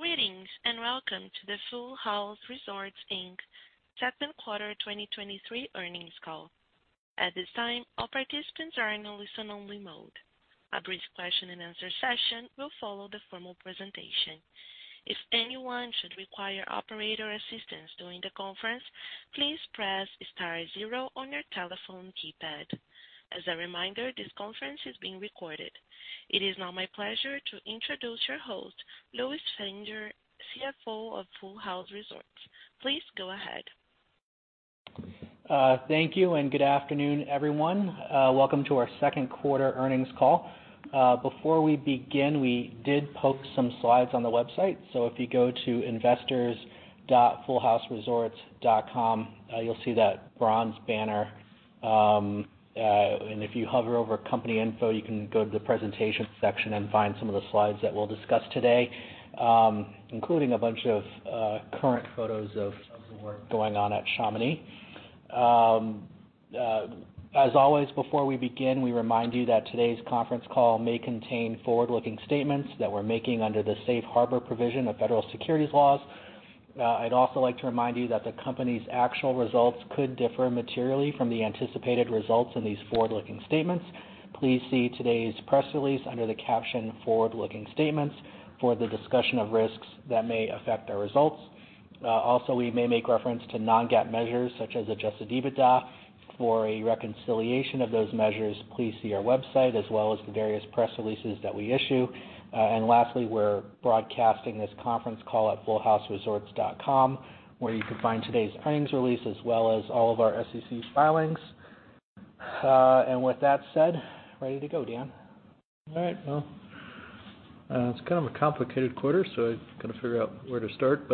Greetings, welcome to the Full House Resorts Inc. Second Quarter 2023 Earnings Call. At this time, all participants are in a listen-only mode. A brief question-and-answer session will follow the formal presentation. If anyone should require operator assistance during the conference, please press star zero on your telephone keypad. As a reminder, this conference is being recorded. It is now my pleasure to introduce your host, Lewis Fanger, CFO of Full House Resorts. Please go ahead. Thank you, and good afternoon, everyone. Welcome to our second quarter earnings call. Before we begin, we did post some slides on the website, so if you go to investors.fullhouseresorts.com, you'll see that bronze banner. And if you hover over Company Info, you can go to the Presentation section and find some of the slides that we'll discuss today, including a bunch of current photos of the work going on at Chaminade. As always, before we begin, we remind you that today's conference call may contain forward-looking statements that we're making under the safe harbor provision of federal securities laws. I'd also like to remind you that the company's actual results could differ materially from the anticipated results in these forward-looking statements. Please see today's press release under the caption Forward-Looking Statements for the discussion of risks that may affect our results. Also, we may make reference to non-GAAP measures, such as adjusted EBITDA. For a reconciliation of those measures, please see our website as well as the various press releases that we issue. Lastly, we're broadcasting this conference call at fullhouseresorts.com, where you can find today's earnings release, as well as all of our SEC filings. With that said, ready to go, Dan. All right. Well, it's kind of a complicated quarter, so I've got to figure out where to start.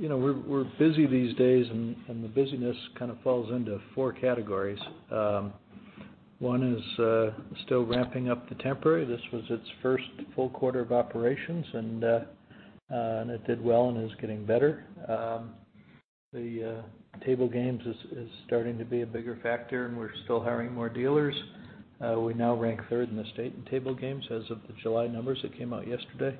You know, we're, we're busy these days, and, and the busyness kind of falls into four categories. One is still ramping up the temporary. This was its 1st full quarter of operations, and it did well and is getting better. The table games is starting to be a bigger factor, and we're still hiring more dealers. We now rank 3rd in the state in table games as of the July numbers that came out yesterday.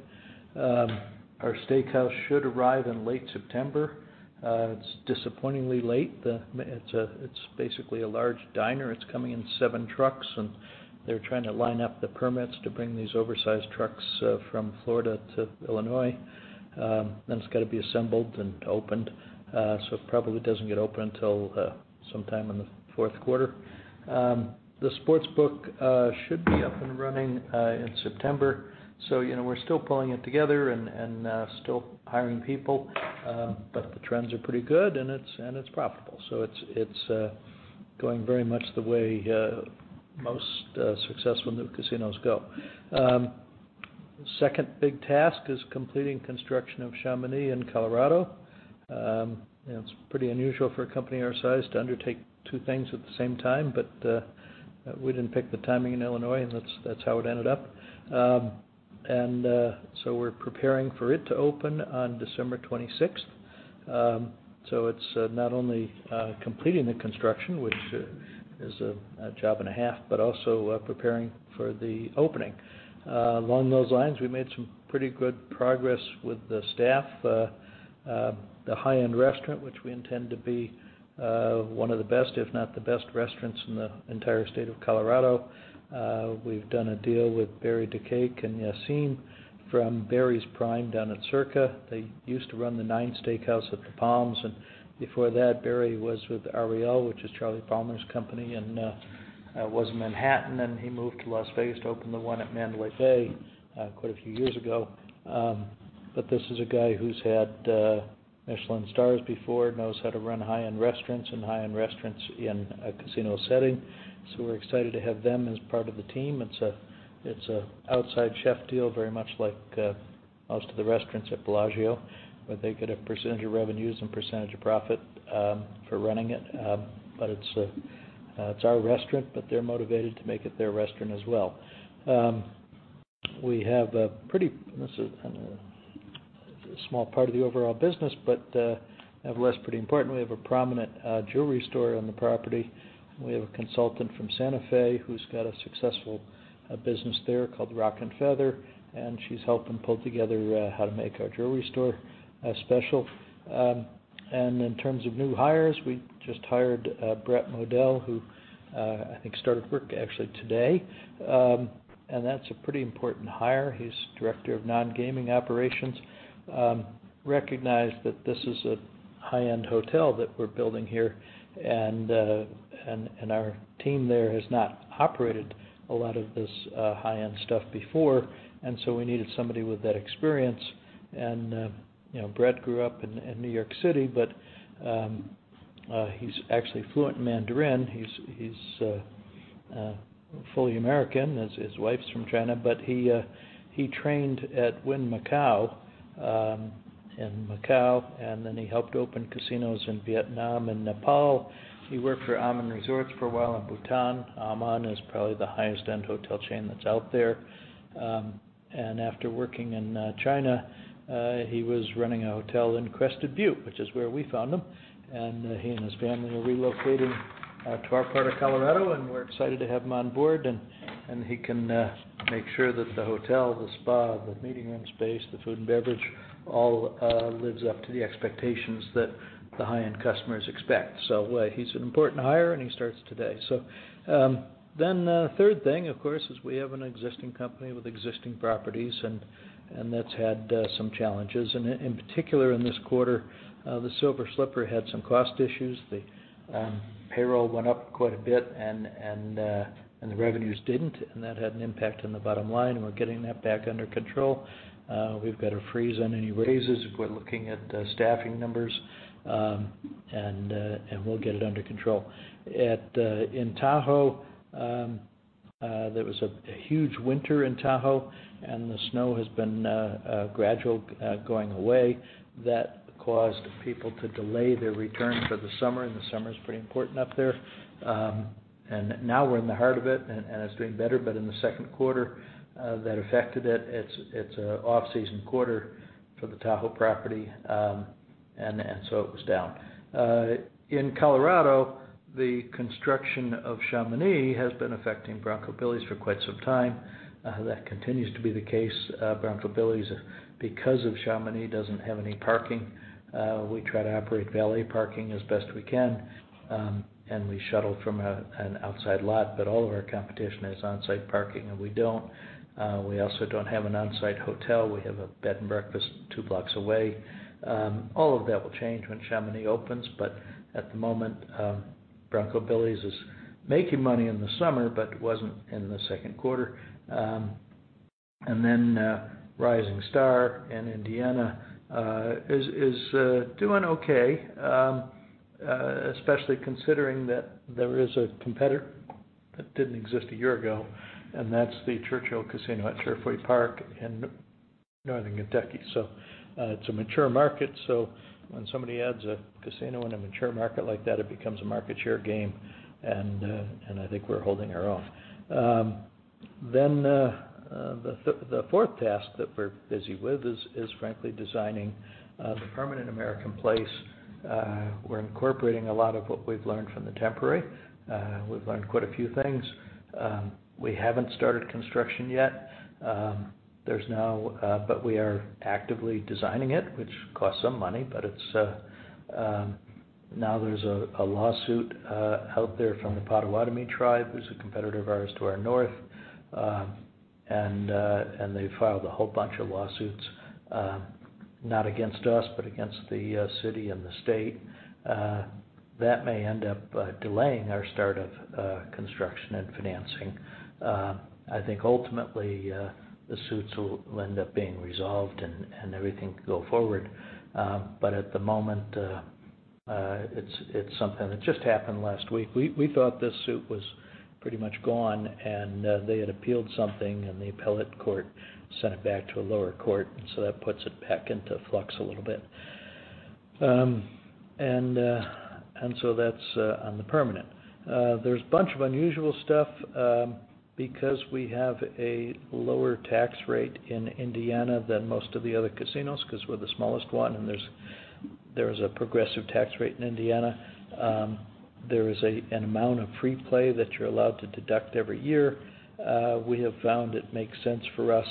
Our steakhouse should arrive in late September. It's disappointingly late. It's basically a large diner. It's coming in seven trucks, and they're trying to line up the permits to bring these oversized trucks from Florida to Illinois. It's got to be assembled and opened, so it probably doesn't get open until sometime in Q4. The sports book should be up and running in September. You know, we're still pulling it together and, and still hiring people, but the trends are pretty good, and it's, and it's profitable. It's, it's going very much the way most successful new casinos go. Second big task is completing construction of Chaminade in Colorado. It's pretty unusual for a company our size to undertake two things at the same time, but we didn't pick the timing in Illinois, and that's, that's how it ended up. We're preparing for it to open on December 26th. It's not only completing the construction, which is a job and a half, but also preparing for the opening. Along those lines, we made some pretty good progress with the staff. The high-end restaurant, which we intend to be one of the best, if not the best restaurants in the entire state of Colorado. We've done a deal with Barry Dakake and Yassine from Barry's Downtown Prime down at Circa Resort & Casino. They used to run the N9NE Steakhouse at the Palms Casino Resort, and before that, Barry was with Aureole, which is Charlie Palmer's company, was in Manhattan, and he moved to Las Vegas to open the one at Mandalay Bay quite a few years ago. This is a guy who's had Michelin stars before, knows how to run high-end restaurants and high-end restaurants in a casino setting. We're excited to have them as part of the team. It's a, it's a outside chef deal, very much like most of the restaurants at Bellagio, where they get a percentage of revenues and percentage of profit for running it. It's, it's our restaurant, but they're motivated to make it their restaurant as well. We have a this is a small part of the overall business, but, nevertheless, pretty important. We have a prominent jewelry store on the property. We have a consultant from Santa Fe who's got a successful business there called Rockfeather, and she's helping pull together how to make our jewelry store special. In terms of new hires, we just hired Brett Modell, who I think started work actually today. That's a pretty important hire. He's Director of Non-Gaming Operations. Recognize that this is a high-end hotel that we're building here, and our team there has not operated a lot of this high-end stuff before, and so we needed somebody with that experience. You know, Brett grew up in New York City, but he's actually fluent in Mandarin. He's, he's fully American, his wife's from China, but he trained at Wynn Macau in Macau, and then he helped open casinos in Vietnam and Nepal. He worked for Aman Resorts for a while in Bhutan. Aman is probably the highest end hotel chain that's out there. After working in China, he was running a hotel in Crested Butte, which is where we found him. He and his family are relocating to our part of Colorado, and we're excited to have him on board, and he can make sure that the hotel, the spa, the meeting room space, the food and beverage, all lives up to the expectations that the high-end customers expect. He's an important hire, and he starts today. Third thing, of course, is we have an existing company with existing properties and that's had some challenges. In particular, in this quarter, the Silver Slipper had some cost issues. The payroll went up quite a bit and the revenues didn't, and that had an impact on the bottom line. We're getting that back under control. We've got a freeze on any raises. We're looking at staffing numbers. We'll get it under control. At in Tahoe, there was a huge winter in Tahoe, and the snow has been gradual going away. That caused people to delay their return for the summer, and the summer is pretty important up there. Now we're in the heart of it, and it's doing better, but in the second quarter, that affected it. It's a off-season quarter for the Tahoe property, and so it was down. In Colorado, the construction of Chaminade has been affecting Bronco Billy's for quite some time. That continues to be the case. Bronco Billy's, because of Chaminade, doesn't have any parking. We try to operate valet parking as best we can, and we shuttle from an outside lot, but all of our competition has on-site parking, and we don't. We also don't have an on-site hotel. We have a bed and breakfast two blocks away. All of that will change when Chaminade opens, but at the moment, Bronco Billy's is making money in the summer, but wasn't in the second quarter. Rising Star in Indiana is doing okay, especially considering that there is a competitor that didn't exist a year ago, and that's the Churchill Casino at Turfway Park in Northern Kentucky. It's a mature market, so when somebody adds a casino in a mature market like that, it becomes a market share game, and I think we're holding our own. The fourth task that we're busy with is frankly designing the permanent American Place. We're incorporating a lot of what we've learned from the temporary. We've learned quite a few things. We haven't started construction yet. We are actively designing it, which costs some money, but it's. There's a lawsuit out there from the Potawatomi tribe, who's a competitor of ours to our north. They've filed a whole bunch of lawsuits, not against us, but against the city and the state. That may end up delaying our start of construction and financing. I think ultimately the suits will end up being resolved and everything go forward. At the moment, it's, it's something that just happened last week. We, we thought this suit was pretty much gone, and they had appealed something, and the appellate court sent it back to a lower court, so that puts it back into flux a little bit. So that's on the permanent. There's a bunch of unusual stuff because we have a lower tax rate in Indiana than most of the other casinos, 'cause we're the smallest one, and there is a progressive tax rate in Indiana. There is an amount of free play that you're allowed to deduct every year. We have found it makes sense for us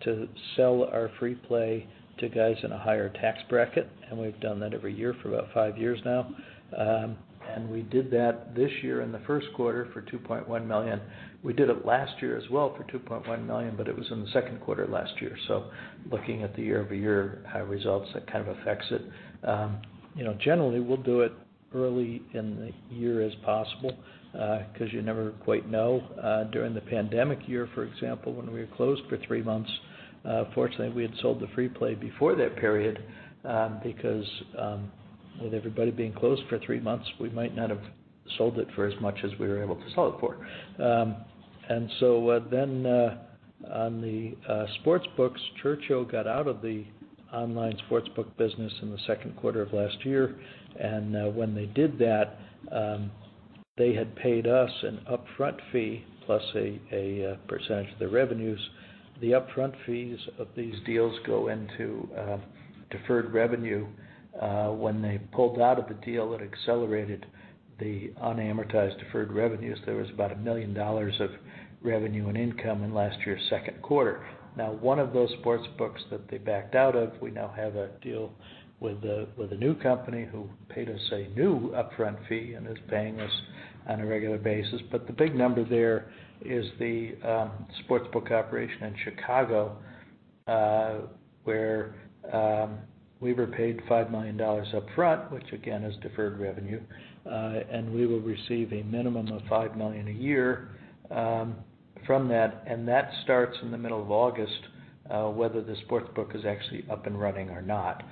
to sell our free play to guys in a higher tax bracket, and we've done that every year for about five years now. We did that this year in the first quarter for $2.1 million. We did it last year as well for $2.1 million. It was in the second quarter last year. Looking at the year-over-year results, that kind of affects it. You know, generally, we'll do it early in the year as possible, 'cause you never quite know. During the pandemic year, for example, when we were closed for three months, fortunately, we had sold the free play before that period, because with everybody being closed for three months, we might not have sold it for as much as we were able to sell it for. On the sports books, Churchill got out of the online sports book business in the second quarter of last year, when they did that, they had paid us an upfront fee plus a % of the revenues. The upfront fees of these deals go into deferred revenue. When they pulled out of the deal, it accelerated the unamortized deferred revenues. There was about $1 million of revenue and income in last year's second quarter. One of those sports books that they backed out of, we now have a deal with a new company, who paid us a new upfront fee and is paying us on a regular basis. The big number there is the sports book operation in Chicago, where we were paid $5 million upfront, which again, is deferred revenue. We will receive a minimum of $5 million a year from that, and that starts in the middle of August, whether the sports book is actually up and running or not.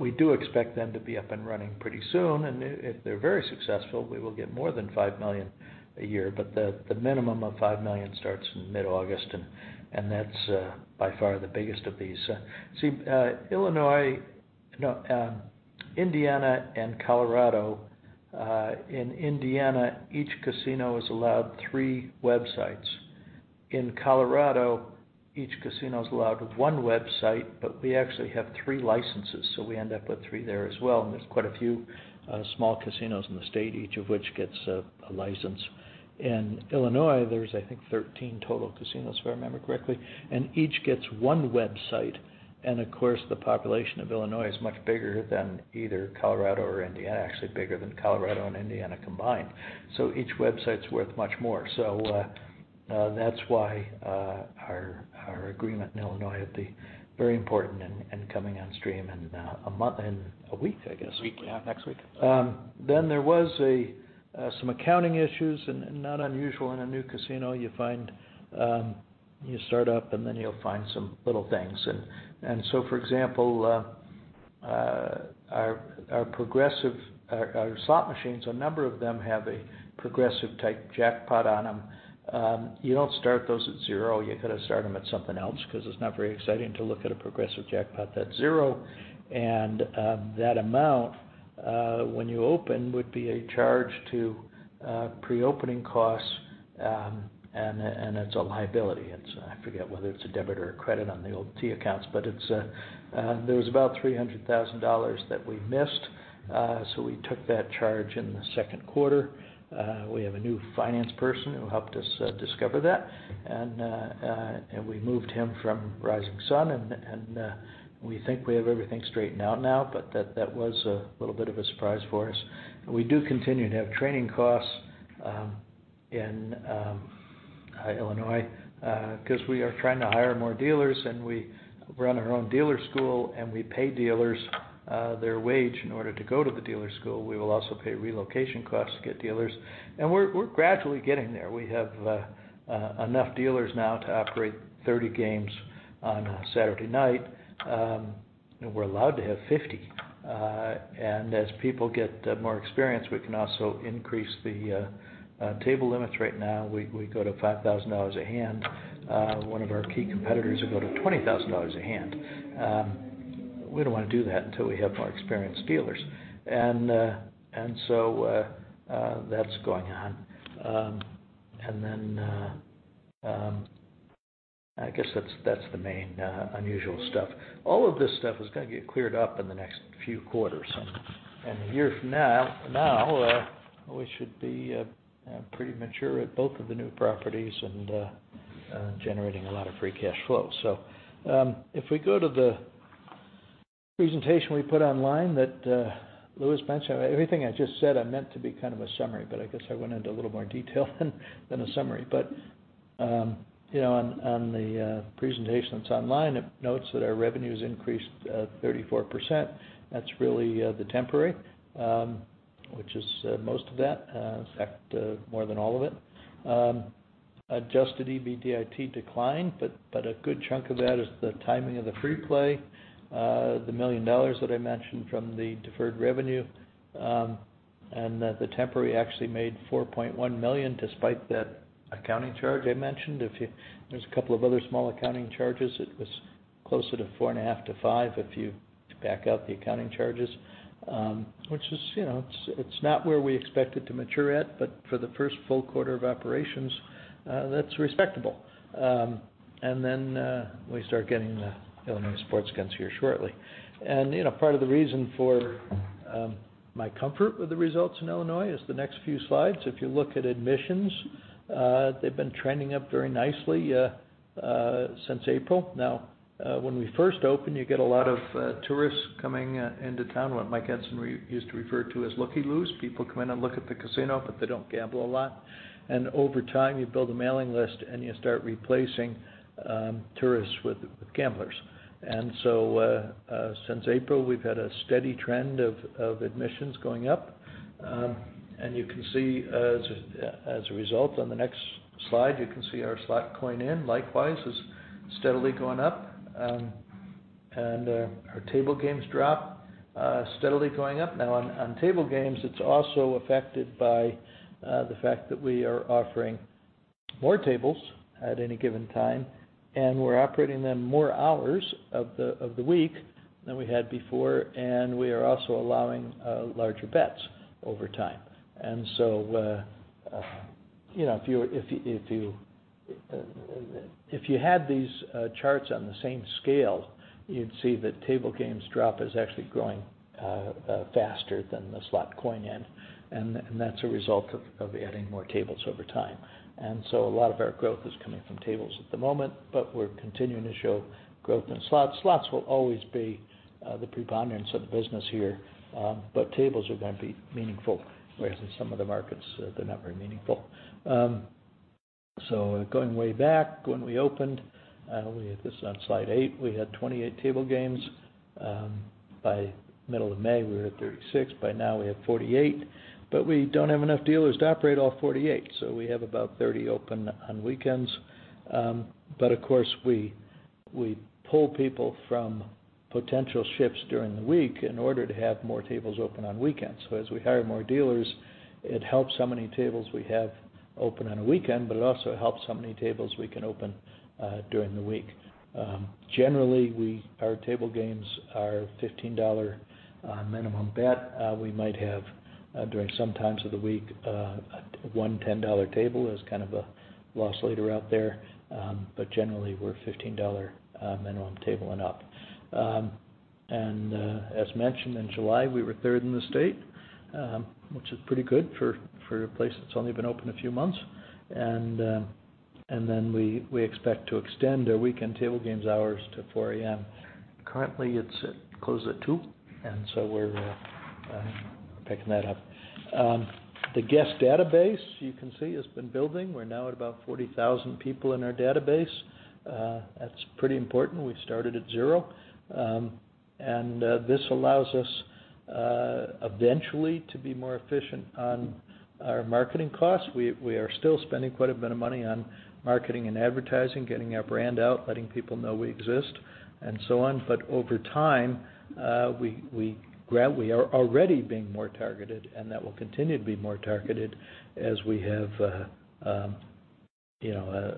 We do expect them to be up and running pretty soon, and if they're very successful, we will get more than $5 million a year. The, the minimum of $5 million starts in mid-August, and, and that's by far the biggest of these. See, Illinois- no, Indiana and Colorado, in Indiana, each casino is allowed three websites. In Colorado, each casino is allowed one website, but we actually have three licenses, so we end up with three there as well. There's quite a few, small casinos in the state, each of which gets a, a license. In Illinois, there's, I think, 13 total casinos, if I remember correctly, and each gets one website. Of course, the population of Illinois is much bigger than either Colorado or Indiana, actually bigger than Colorado and Indiana combined. Each website's worth much more. That's why, our, our agreement in Illinois will be very important in, in coming on stream in a month in a week, I guess. A week, yeah, next week. There was some accounting issues, not unusual in a new casino. You find, you start up, then you'll find some little things. For example, our progressive- our slot machines, a number of them have a progressive-type jackpot on them. You don't start those at zero, you got to start them at something else because it's not very exciting to look at a progressive jackpot that's zero. That amount, when you open, would be a charge to preopening costs, it's a liability. It's, I forget whether it's a debit or a credit on the old T accounts, but it's. There was about $300,000 that we missed, so we took that charge in the second quarter. We have a new finance person who helped us discover that, and we moved him from Rising Sun, and we think we have everything straightened out now, but that, that was a little bit of a surprise for us. We do continue to have training costs in Illinois because we are trying to hire more dealers, and we run our own dealer school, and we pay dealers their wage in order to go to the dealer school. We will also pay relocation costs to get dealers. We're, we're gradually getting there. We have enough dealers now to operate 30 games on a Saturday night. We're allowed to have 50. As people get more experienced, we can also increase the table limits. Right now, we go to $5,000 a hand. One of our key competitors will go to $20,000 a hand. We don't want to do that until we have more experienced dealers. That's going on. I guess that's the main unusual stuff. All of this stuff is going to get cleared up in the next few quarters. A year from now, we should be pretty mature at both of the new properties and generating a lot of free cash flow. If we go to the presentation we put online that Lewis mentioned, everything I just said I meant to be kind of a summary, but I guess I went into a little more detail than a summary. You know, on, on the presentation that's online, it notes that our revenues increased 34%. That's really the temporary, which is most of that, in fact, more than all of it. Adjusted EBITDA declined, but a good chunk of that is the timing of the free play, the $1 million that I mentioned from the deferred revenue, and that the temporary actually made $4.1 million, despite that accounting charge I mentioned. There's a couple of other small accounting charges, it was closer to $4.5 million-$5 million, if you back out the accounting charges. Which is, you know, it's, it's not where we expected to mature at, but for the first full quarter of operations, that's respectable. Then we start getting the Illinois sports guns here shortly. You know, part of the reason for my comfort with the results in Illinois is the next few slides. If you look at admissions, they've been trending up very nicely since April. Now, when we first opened, you get a lot of tourists coming into town, what Mike Edson used to refer to as looky-loos. People come in and look at the casino, but they don't gamble a lot. Over time, you build a mailing list, and you start replacing tourists with gamblers. Since April, we've had a steady trend of admissions going up. You can see, as a result, on the next slide, you can see our slot coin in likewise, is steadily going up. Our table games drop steadily going up. Now, on table games, it's also affected by the fact that we are offering more tables at any given time, and we're operating them more hours of the week than we had before, and we are also allowing larger bets over time. So, you know, if you're, if you, if you had these charts on the same scale, you'd see that table games drop is actually growing faster than the slot coin in, and that's a result of adding more tables over time. So a lot of our growth is coming from tables at the moment, but we're continuing to show growth in slots. Slots will always be the preponderance of the business here, but tables are going to be meaningful, whereas in some of the markets, they're not very meaningful. Going way back when we opened, we had this on slide eight, we had 28 table games. By middle of May, we were at 36. By now, we have 48, but we don't have enough dealers to operate all 48, so we have about 30 open on weekends. Of course, we pull people from potential shifts during the week in order to have more tables open on weekends. As we hire more dealers, it helps how many tables we have open on a weekend, but it also helps how many tables we can open during the week. Generally, our table games are $15 minimum bet. We might have, during some times of the week, $110 table as kind of a loss leader out there. Generally, we're $15 minimum table and up. As mentioned, in July, we were third in the state, which is pretty good for, for a place that's only been open a few months. We, we expect to extend our weekend table games hours to 4:00 A.M. Currently, it closes at 2:00, we're picking that up. The guest database, you can see, has been building. We're now at about 40,000 people in our database. That's pretty important. We started at zero. This allows us eventually to be more efficient on our marketing costs. We, we are still spending quite a bit of money on marketing and advertising, getting our brand out, letting people know we exist, and so on. Over time, we, we are already being more targeted, and that will continue to be more targeted as we have, you know,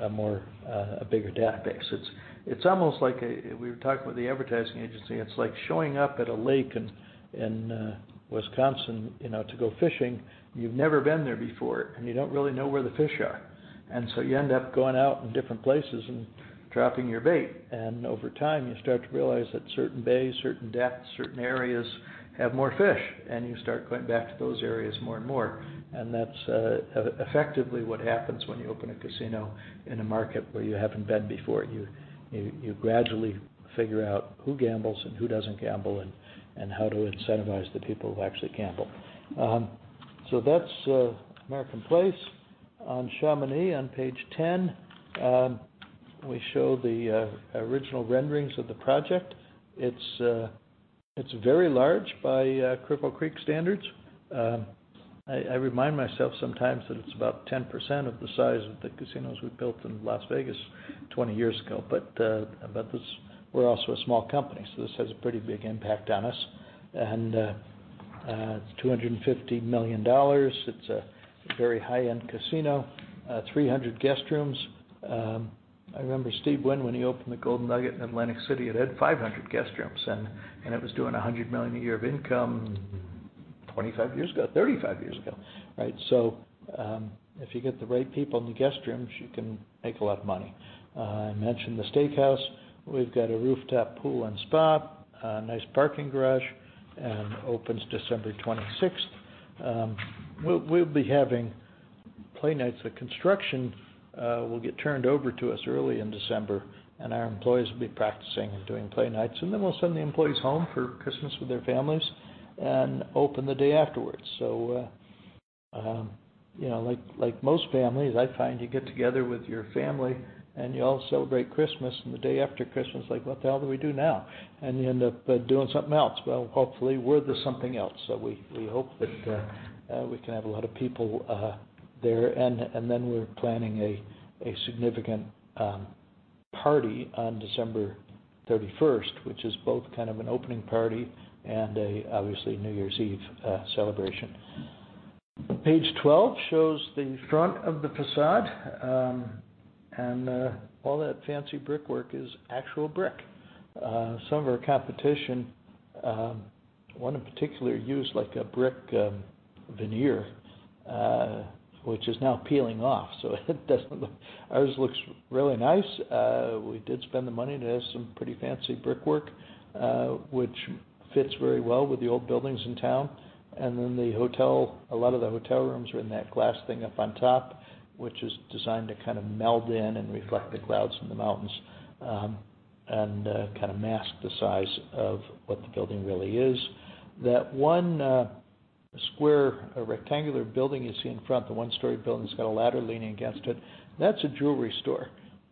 a more, a bigger database. It's, it's almost like. We were talking with the advertising agency. It's like showing up at a lake in, in Wisconsin, you know, to go fishing. You've never been there before, and you don't really know where the fish are. So you end up going out in different places and dropping your bait. Over time, you start to realize that certain bays, certain depths, certain areas have more fish, and you start going back to those areas more and more. That's effectively what happens when you open a casino in a market where you haven't been before. You, you, you gradually figure out who gambles and who doesn't gamble, and, and how to incentivize the people who actually gamble. That's American Place. On Chaminade, on page 10, we show the original renderings of the project. It's very large by Cripple Creek standards. I, I remind myself sometimes that it's about 10% of the size of the casinos we built in Las Vegas 20 years ago. We're also a small company, so this has a pretty big impact on us. It's $250 million. It's a very high-end casino, 300 guest rooms. I remember Steve Wynn, when he opened the Golden Nugget in Atlantic City, it had 500 guest rooms, and it was doing $100 million a year of income 25 years ago, 35 years ago, right? If you get the right people in the guest rooms, you can make a lot of money. I mentioned the steakhouse. We've got a rooftop pool and spa, a nice parking garage, and opens December 26th. We'll be having play nights. The construction will get turned over to us early in December, and our employees will be practicing and doing play nights. We'll send the employees home for Christmas with their families and open the day afterwards. You know, like, like most families, I find you get together with your family and you all celebrate Christmas, and the day after Christmas, like, what the hell do we do now? You end up doing something else. Well, hopefully, we're the something else. We, we hope that we can have a lot of people there. Then we're planning a significant party on December 31st, which is both kind of an opening party and a, obviously, New Year's Eve celebration. Page 12 shows the front of the facade, and all that fancy brickwork is actual brick. Some of our competition, one in particular, used like a brick veneer, which is now peeling off, so it doesn't look. Ours looks really nice. We did spend the money to have some pretty fancy brickwork, which fits very well with the old buildings in town. Then the hotel, a lot of the hotel rooms are in that glass thing up on top, which is designed to kind of meld in and reflect the clouds from the mountains, and kind of mask the size of what the building really is. That one square rectangular building you see in front, the one-story building that's got a ladder leaning against it, that's a jewelry store.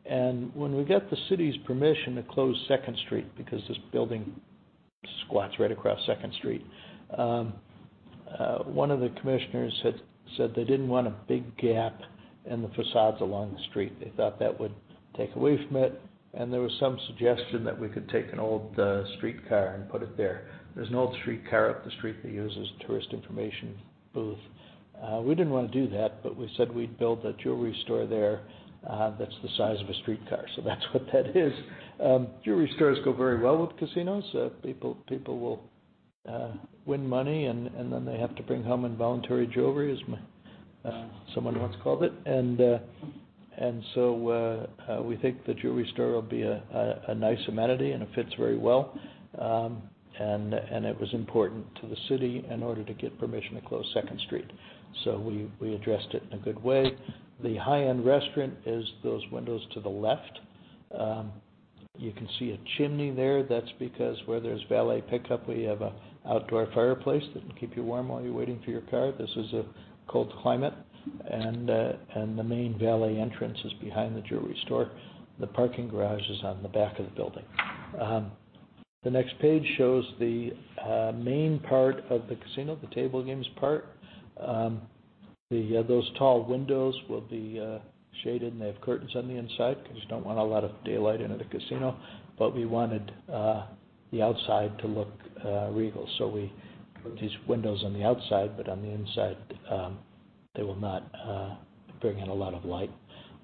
When we got the city's permission to close Second Street, because this building squats right across Second Street, one of the commissioners had said they didn't want a big gap in the facades along the street. They thought that would take away from it, and there was some suggestion that we could take an old, streetcar and put it there. There's an old streetcar up the street they use as a tourist information booth. We didn't want to do that, but we said we'd build a jewelry store there, that's the size of a streetcar, so that's what that is. Jewelry stores go very well with casinos. People, people will, win money, and, and then they have to bring home involuntary jewelry, as someone once called it. We think the jewelry store will be a, a, a nice amenity, and it fits very well. And, and it was important to the city in order to get permission to close Second Street. We, we addressed it in a good way. The high-end restaurant is those windows to the left. You can see a chimney there. That's because where there's valet pickup, we have a outdoor fireplace that can keep you warm while you're waiting for your car. This is a cold climate, and the main valet entrance is behind the jewelry store. The parking garage is on the back of the building. The next page shows the main part of the casino, the table games part. The those tall windows will be shaded, and they have curtains on the inside because you don't want a lot of daylight into the casino. We wanted the outside to look regal, so we put these windows on the outside, but on the inside, they will not bring in a lot of light.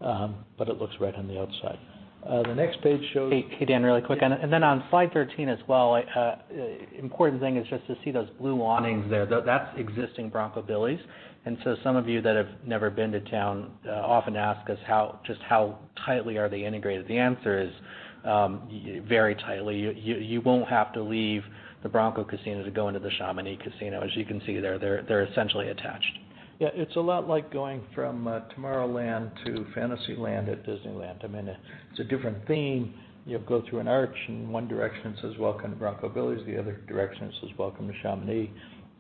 It looks right on the outside. The next page shows. Hey, hey, Dan, really quick. Then on slide 13 as well, I, important thing is just to see those blue awnings there. That's existing Bronco Billy's. Some of you that have never been to town often ask us how, just how tightly are they integrated? The answer is, very tightly. You, you won't have to leave the Bronco Casino to go into the Chaminade Casino. As you can see there, they're, they're essentially attached. Yeah, it's a lot like going from Tomorrowland to Fantasyland at Disneyland. I mean, it's a different theme. You go through an arch in one direction, it says, "Welcome to Bronco Billy's." The other direction, it says, "Welcome to Chaminade."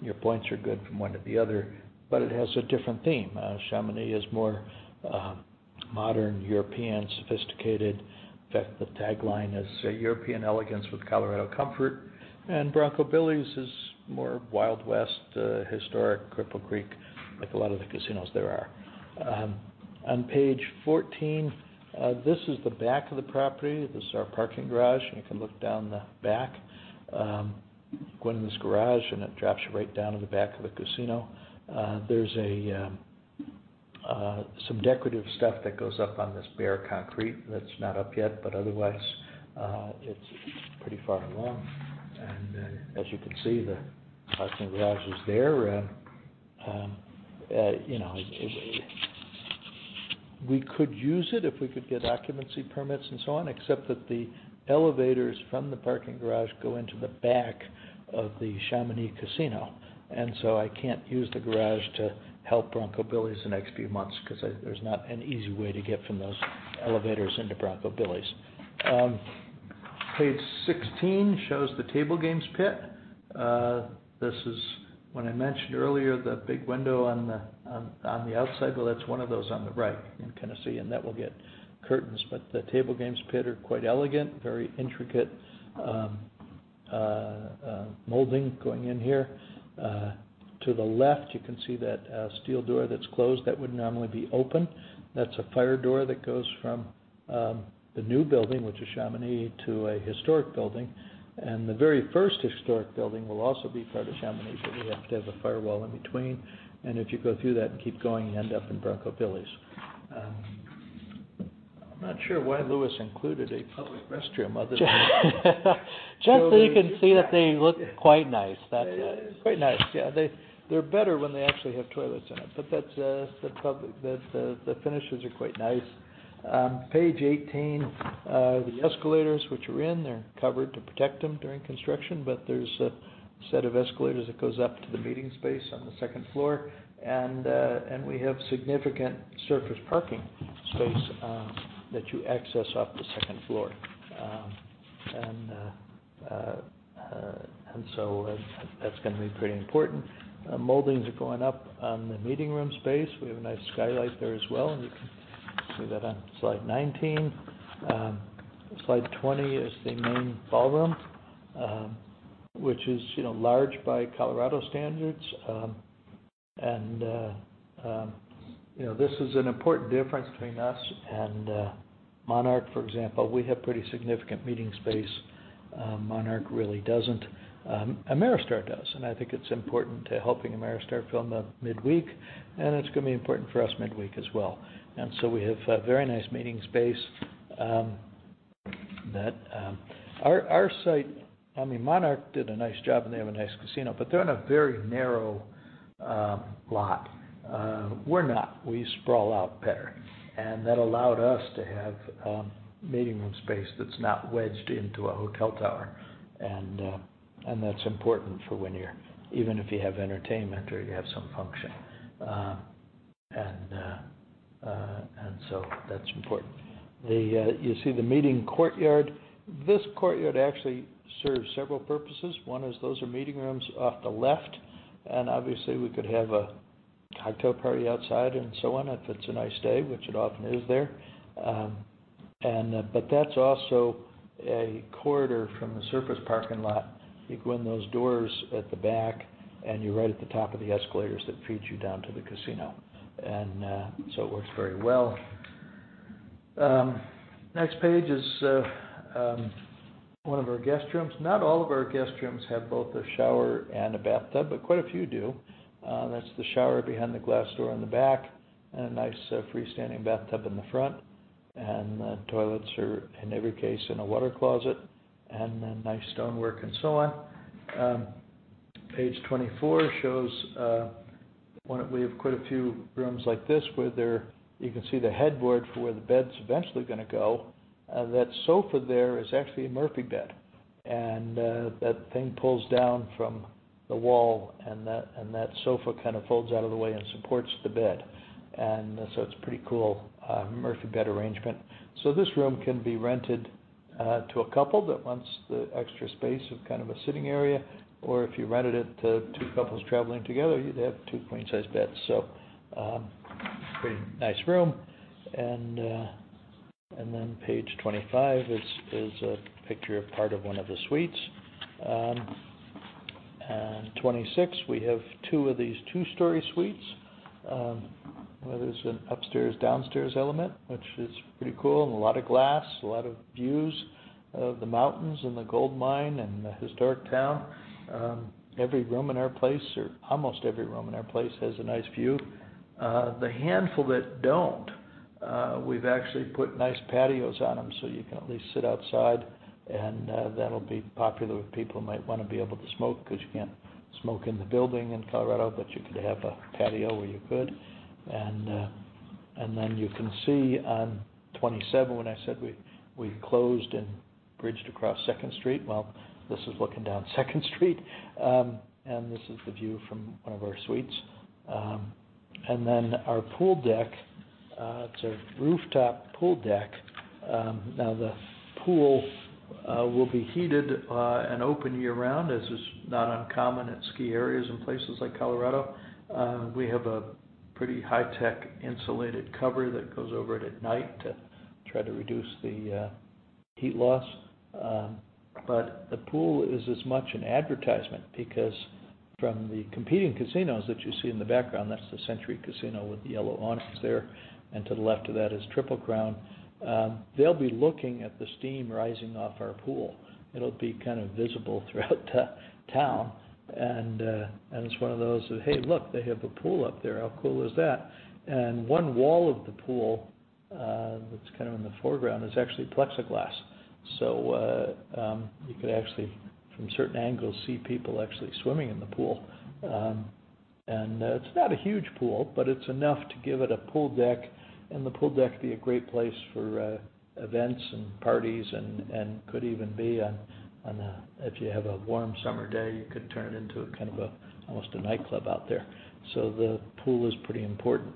Your points are good from one to the other, it has a different theme. Chaminade is more modern, European, sophisticated. In fact, the tagline is, European elegance with Colorado comfort. Bronco Billy's is more Wild West, historic Cripple Creek, like a lot of the casinos there are. On page 14, this is the back of the property. This is our parking garage, and you can look down the back. Go in this garage, and it drops you right down to the back of the casino. There's some decorative stuff that goes up on this bare concrete that's not up yet. Otherwise, it's pretty far along. As you can see, the parking garage is there. You know, we could use it if we could get occupancy permits and so on, except that the elevators from the parking garage go into the back of the Chaminade Casino. I can't use the garage to help Bronco Billy's the next few months because there's not an easy way to get from those elevators into Bronco Billy's. Page 16 shows the table games pit. This is when I mentioned earlier, the big window on the outside. Well, that's one of those on the right. You can kind of see, that will get curtains, but the table games pit are quite elegant, very intricate. Molding going in here. To the left, you can see that steel door that's closed. That would normally be open. That's a fire door that goes from the new building, which is Chaminade, to a historic building. The very first historic building will also be part of Chaminade, but we have to have a firewall in between. If you go through that and keep going, you end up in Bronco Billy's. I'm not sure why Lewis included a public restroom other than- Just so you can see that they look quite nice. They do. Quite nice. Yeah, they, they're better when they actually have toilets in it, but that's, the finishes are quite nice. Page 18, the escalators, which are in there, covered to protect them during construction, but there's a set of escalators that goes up to the meeting space on the 2nd floor. We have significant surface parking space that you access off the 2nd floor. That's going to be pretty important. Moldings are going up on the meeting room space. We have a nice skylight there as well, and you can see that on slide 19. Slide 20 is the main ballroom, which is, you know, large by Colorado standards. You know, this is an important difference between us and Monarch, for example. We have pretty significant meeting space. Monarch really doesn't. Ameristar does. I think it's important to helping Ameristar fill up midweek, and it's going to be important for us midweek as well. We have a very nice meeting space. Our site, I mean, Monarch did a nice job, and they have a nice casino, but they're on a very narrow lot. We're not. We sprawl out better, and that allowed us to have meeting room space that's not wedged into a hotel tower. That's important for when even if you have entertainment or you have some function. That's important. You see the meeting courtyard. This courtyard actually serves several purposes. One is those are meeting rooms off the left, and obviously, we could have a cocktail party outside and so on, if it's a nice day, which it often is there. That's also a corridor from the surface parking lot. You go in those doors at the back, and you're right at the top of the escalators that feed you down to the casino. It works very well. Next page is one of our guest rooms. Not all of our guest rooms have both a shower and a bathtub, but quite a few do. That's the shower behind the glass door on the back and a nice freestanding bathtub in the front. The toilets are, in every case, in a water closet, and then nice stonework and so on. Page 24 shows one of-- we have quite a few rooms like this, where there you can see the headboard for where the bed's eventually gonna go. That sofa there is actually a Murphy bed, and that thing pulls down from the wall, and that, and that sofa kind of folds out of the way and supports the bed. So it's pretty cool, Murphy bed arrangement. This room can be rented to a couple that wants the extra space of kind of a sitting area, or if you rented it to two couples traveling together, you'd have two queen-size beds. Pretty nice room. And then page 25 is, is a picture of part of one of the suites. On 26, we have two of these two-story suites, where there's an upstairs, downstairs element, which is pretty cool, and a lot of glass, a lot of views of the mountains, and the gold mine, and the historic town. Every room in our place, or almost every room in our place, has a nice view. The handful that don't, we've actually put nice patios on them, so you can at least sit outside, and that'll be popular with people who might want to be able to smoke, because you can't smoke in the building in Colorado, but you could have a patio where you could. Then you can see on 27, when I said we, we closed and bridged across Second Street. Well, this is looking down Second Street, and this is the view from one of our suites. Then our pool deck, it's a rooftop pool deck. Now, the pool will be heated and open year-round, as is not uncommon in ski areas in places like Colorado. We have a pretty high-tech insulated cover that goes over it at night to try to reduce the heat loss. The pool is as much an advertisement because from the competing casinos that you see in the background, that's the Century Casino with the yellow awnings there, and to the left of that is Triple Crown. They'll be looking at the steam rising off our pool. It'll be kind of visible throughout town. It's one of those, "Hey, look, they have a pool up there. How cool is that?" One wall of the pool, that's kind of in the foreground, is actually plexiglass. You could actually, from certain angles, see people actually swimming in the pool. It's not a huge pool, but it's enough to give it a pool deck, and the pool deck will be a great place for events and parties and could even be on a If you have a warm summer day, you could turn it into a kind of a, almost a nightclub out there. The pool is pretty important.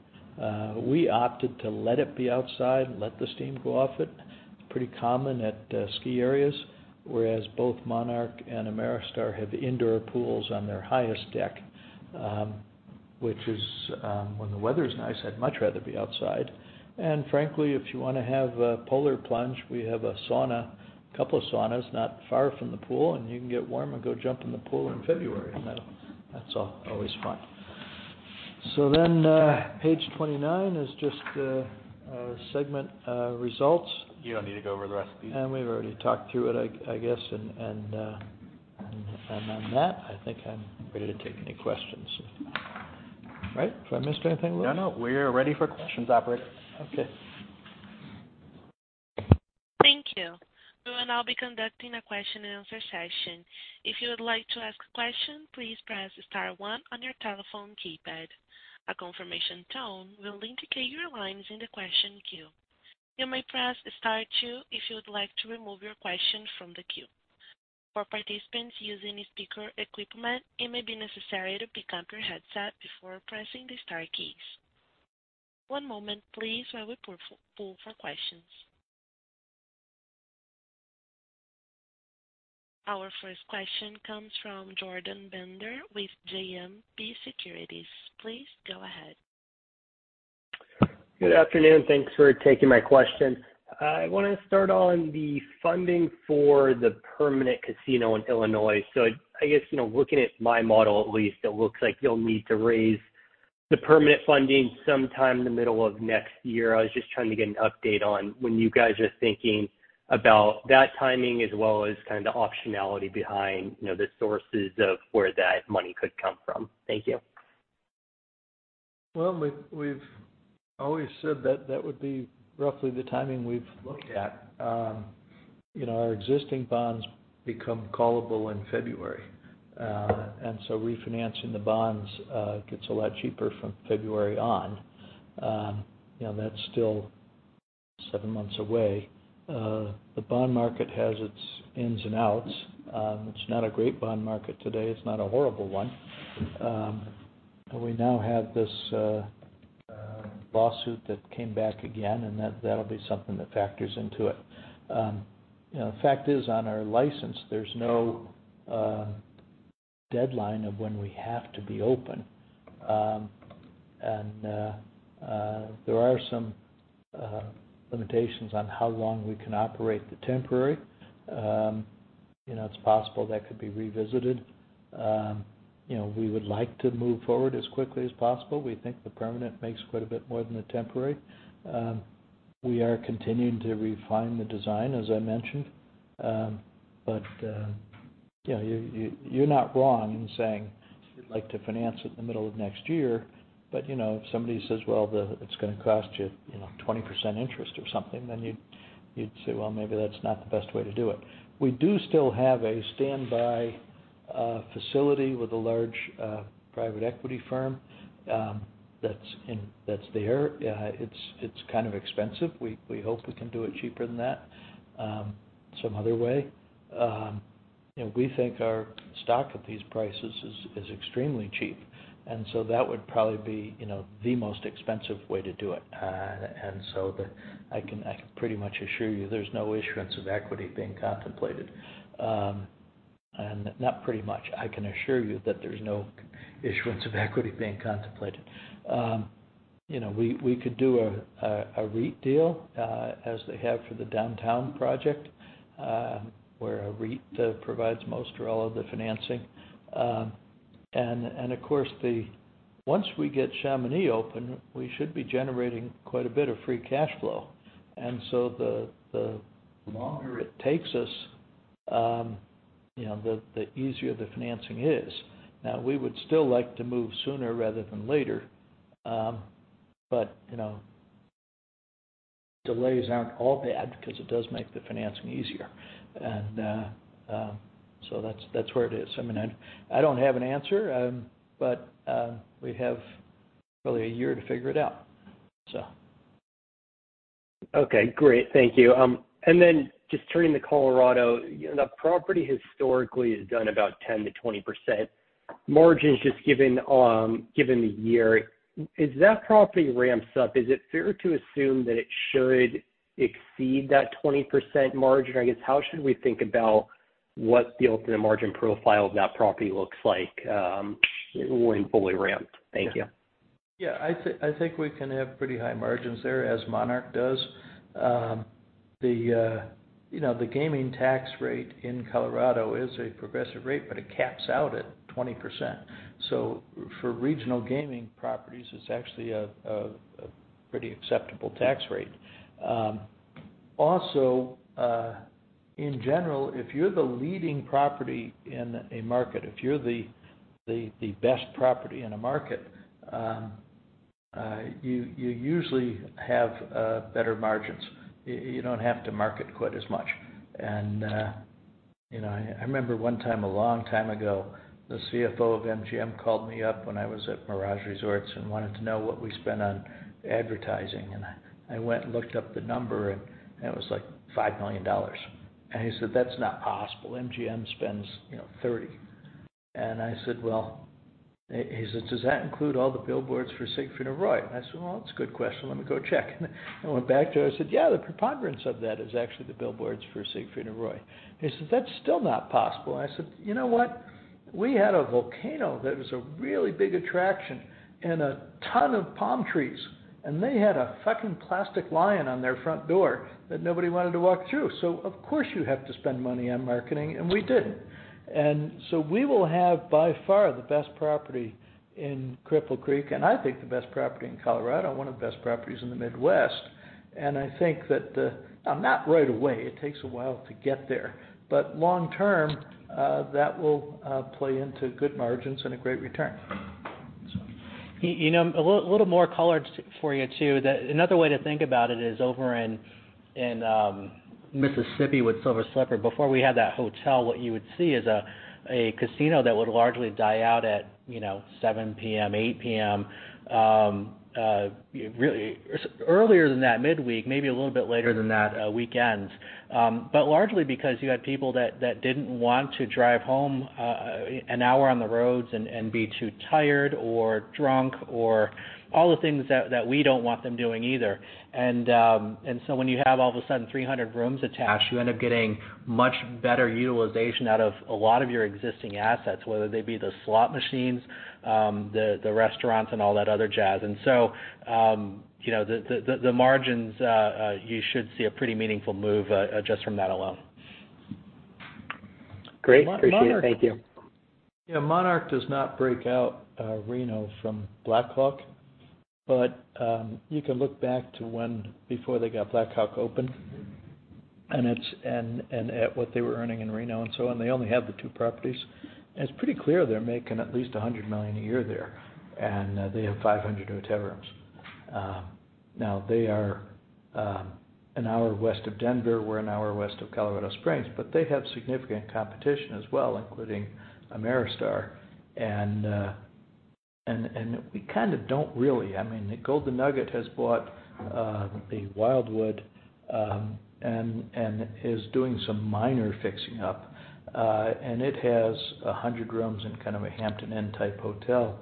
We opted to let it be outside and let the steam go off it. Pretty common at ski areas, whereas both Monarch and Ameristar have indoor pools on their highest deck, which is, when the weather's nice, I'd much rather be outside. Frankly, if you want to have a polar plunge, we have a sauna, a couple of saunas not far from the pool, and you can get warm and go jump in the pool in February. That, that's always fun. Page 29 is just our segment results. You don't need to go over the rest of these. We've already talked through it, I, I guess. And, and, and on that, I think I'm ready to take any questions. Right? Have I missed anything, Lewis? No, no, we are ready for questions, operator. Okay. Thank you. We will now be conducting a question-and-answer session. If you would like to ask a question, please press star one on your telephone keypad. A confirmation tone will indicate your line is in the question queue. You may press star two if you would like to remove your question from the queue. For participants using speaker equipment, it may be necessary to pick up your headset before pressing the star keys. One moment, please, while we pull for, pull for questions. Our first question comes from Jordan Bender with JMP Securities. Please go ahead. Good afternoon. Thanks for taking my question. I want to start on the funding for the permanent casino in Illinois. I guess, you know, looking at my model at least, it looks like you'll need to raise the permanent funding sometime in the middle of next year. I was just trying to get an update on when you guys are thinking about that timing, as well as kind of the optionality behind, you know, the sources of where that money could come from. Thank you. Well, we've, we've always said that that would be roughly the timing we've looked at. You know, our existing bonds become callable in February, and so refinancing the bonds gets a lot cheaper from February on. You know, that's still seven months away. The bond market has its ins and outs. It's not a great bond market today. It's not a horrible one. We now have this lawsuit that came back again, and that, that'll be something that factors into it. You know, the fact is, on our license, there's no deadline of when we have to be open. There are some limitations on how long we can operate the temporary. You know, it's possible that could be revisited. You know, we would like to move forward as quickly as possible. We think the permanent makes quite a bit more than the temporary. We are continuing to refine the design, as I mentioned. You know, you're not wrong in saying you'd like to finance it in the middle of next year, but, you know, if somebody says, "Well, it's gonna cost you, you know, 20% interest," or something, then you'd say, "Well, maybe that's not the best way to do it." We do still have a standby facility with a large private equity firm that's in, that's there. It's, it's kind of expensive. We, we hope we can do it cheaper than that, some other way. You know, we think our stock at these prices is, is extremely cheap, and so that would probably be, you know, the most expensive way to do it. So the I can, I can pretty much assure you there's no issuance of equity being contemplated. Not pretty much, I can assure you that there's no issuance of equity being contemplated. You know, we, we could do a, a REIT deal, as they have for the downtown project, where a REIT provides most or all of the financing. Of course, the once we get Chaminade open, we should be generating quite a bit of free cash flow. So the, the longer it takes us, you know, the, the easier the financing is. Now, we would still like to move sooner rather than later. You know, delays aren't all bad because it does make the financing easier. So that's, that's where it is. I mean, I, I don't have an answer, but, we have probably one year to figure it out, so. Okay, great. Thank you. Then just turning to Colorado, you know, the property historically has done about 10%-20% margins, just given, given the year. As that property ramps up, is it fair to assume that it should exceed that 20% margin? I guess, how should we think about what the ultimate margin profile of that property looks like, when fully ramped? Thank you. Yeah, I think we can have pretty high margins there, as Monarch does. The, you know, the gaming tax rate in Colorado is a progressive rate, but it caps out at 20%. For regional gaming properties, it's actually a pretty acceptable tax rate. Also, in general, if you're the leading property in a market, if you're the best property in a market, you usually have better margins. You don't have to market quite as much. You know, I remember one time, a long time ago, the CFO of MGM called me up when I was at Mirage Resorts and wanted to know what we spent on advertising, and I went and looked up the number, and it was, like, $5 million. He said, "That's not possible. MGM spends, you know, $30. I said, "Well." He says, "Does that include all the billboards for Siegfried & Roy?" I said, "Well, that's a good question. Let me go check." I went back to him and said, "Yeah, the preponderance of that is actually the billboards for Siegfried & Roy." He said, "That's still not possible." I said, "You know what? We had a volcano that was a really big attraction and a ton of palm trees, and they had a plastic lion on their front door that nobody wanted to walk through. Of course, you have to spend money on marketing," and we did. We will have, by far, the best property in Cripple Creek, and I think the best property in Colorado, one of the best properties in the Midwest. I think that the Not right away, it takes a while to get there. Long term, that will play into good margins and a great return. He, you know, a little, little more color for you, too. Another way to think about it is over in, in Mississippi with Silver Slipper. Before we had that hotel, what you would see is a, a casino that would largely die out at, you know, 7:00 P.M., 8:00 P.M. Really, earlier than that midweek, maybe a little bit later than that weekends. Largely because you had people that, that didn't want to drive home an hour on the roads and, and be too tired or drunk or all the things that, that we don't want them doing either. When you have all of a sudden 300 rooms attached, you end up getting much better utilization out of a lot of your existing assets, whether they be the slot machines, the restaurants and all that other jazz. You know, the margins, you should see a pretty meaningful move just from that alone. Great. Appreciate it. Thank you. Monarch does not break out Reno from Black Hawk. You can look back to when before they got Black Hawk open, and it's and, and at what they were earning in Reno and so on. They only have the two properties. It's pretty clear they're making at least $100 million a year there. They have 500 hotel rooms. Now they are an hour west of Denver. We're an hour west of Colorado Springs. They have significant competition as well, including Ameristar. I mean, the Golden Nugget has bought the Wildwood and is doing some minor fixing up. It has 100 rooms and kind of a Hampton Inn-type hotel.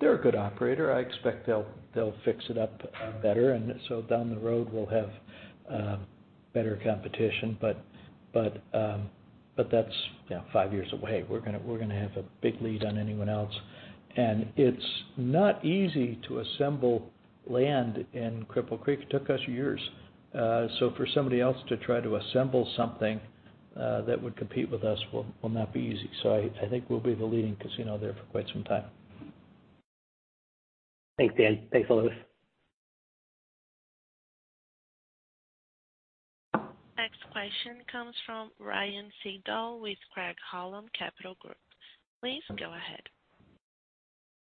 They're a good operator. I expect they'll fix it up better. Down the road, we'll have better competition. But that's, you know, five years away. We're gonna have a big lead on anyone else. It's not easy to assemble land in Cripple Creek. It took us years. For somebody else to try to assemble something that would compete with us, will not be easy. I think we'll be the leading casino there for quite some time. Thanks, Dan. Thanks, Lewis. Next question comes from Ryan Sigdahl with Craig-Hallum Capital Group. Please go ahead.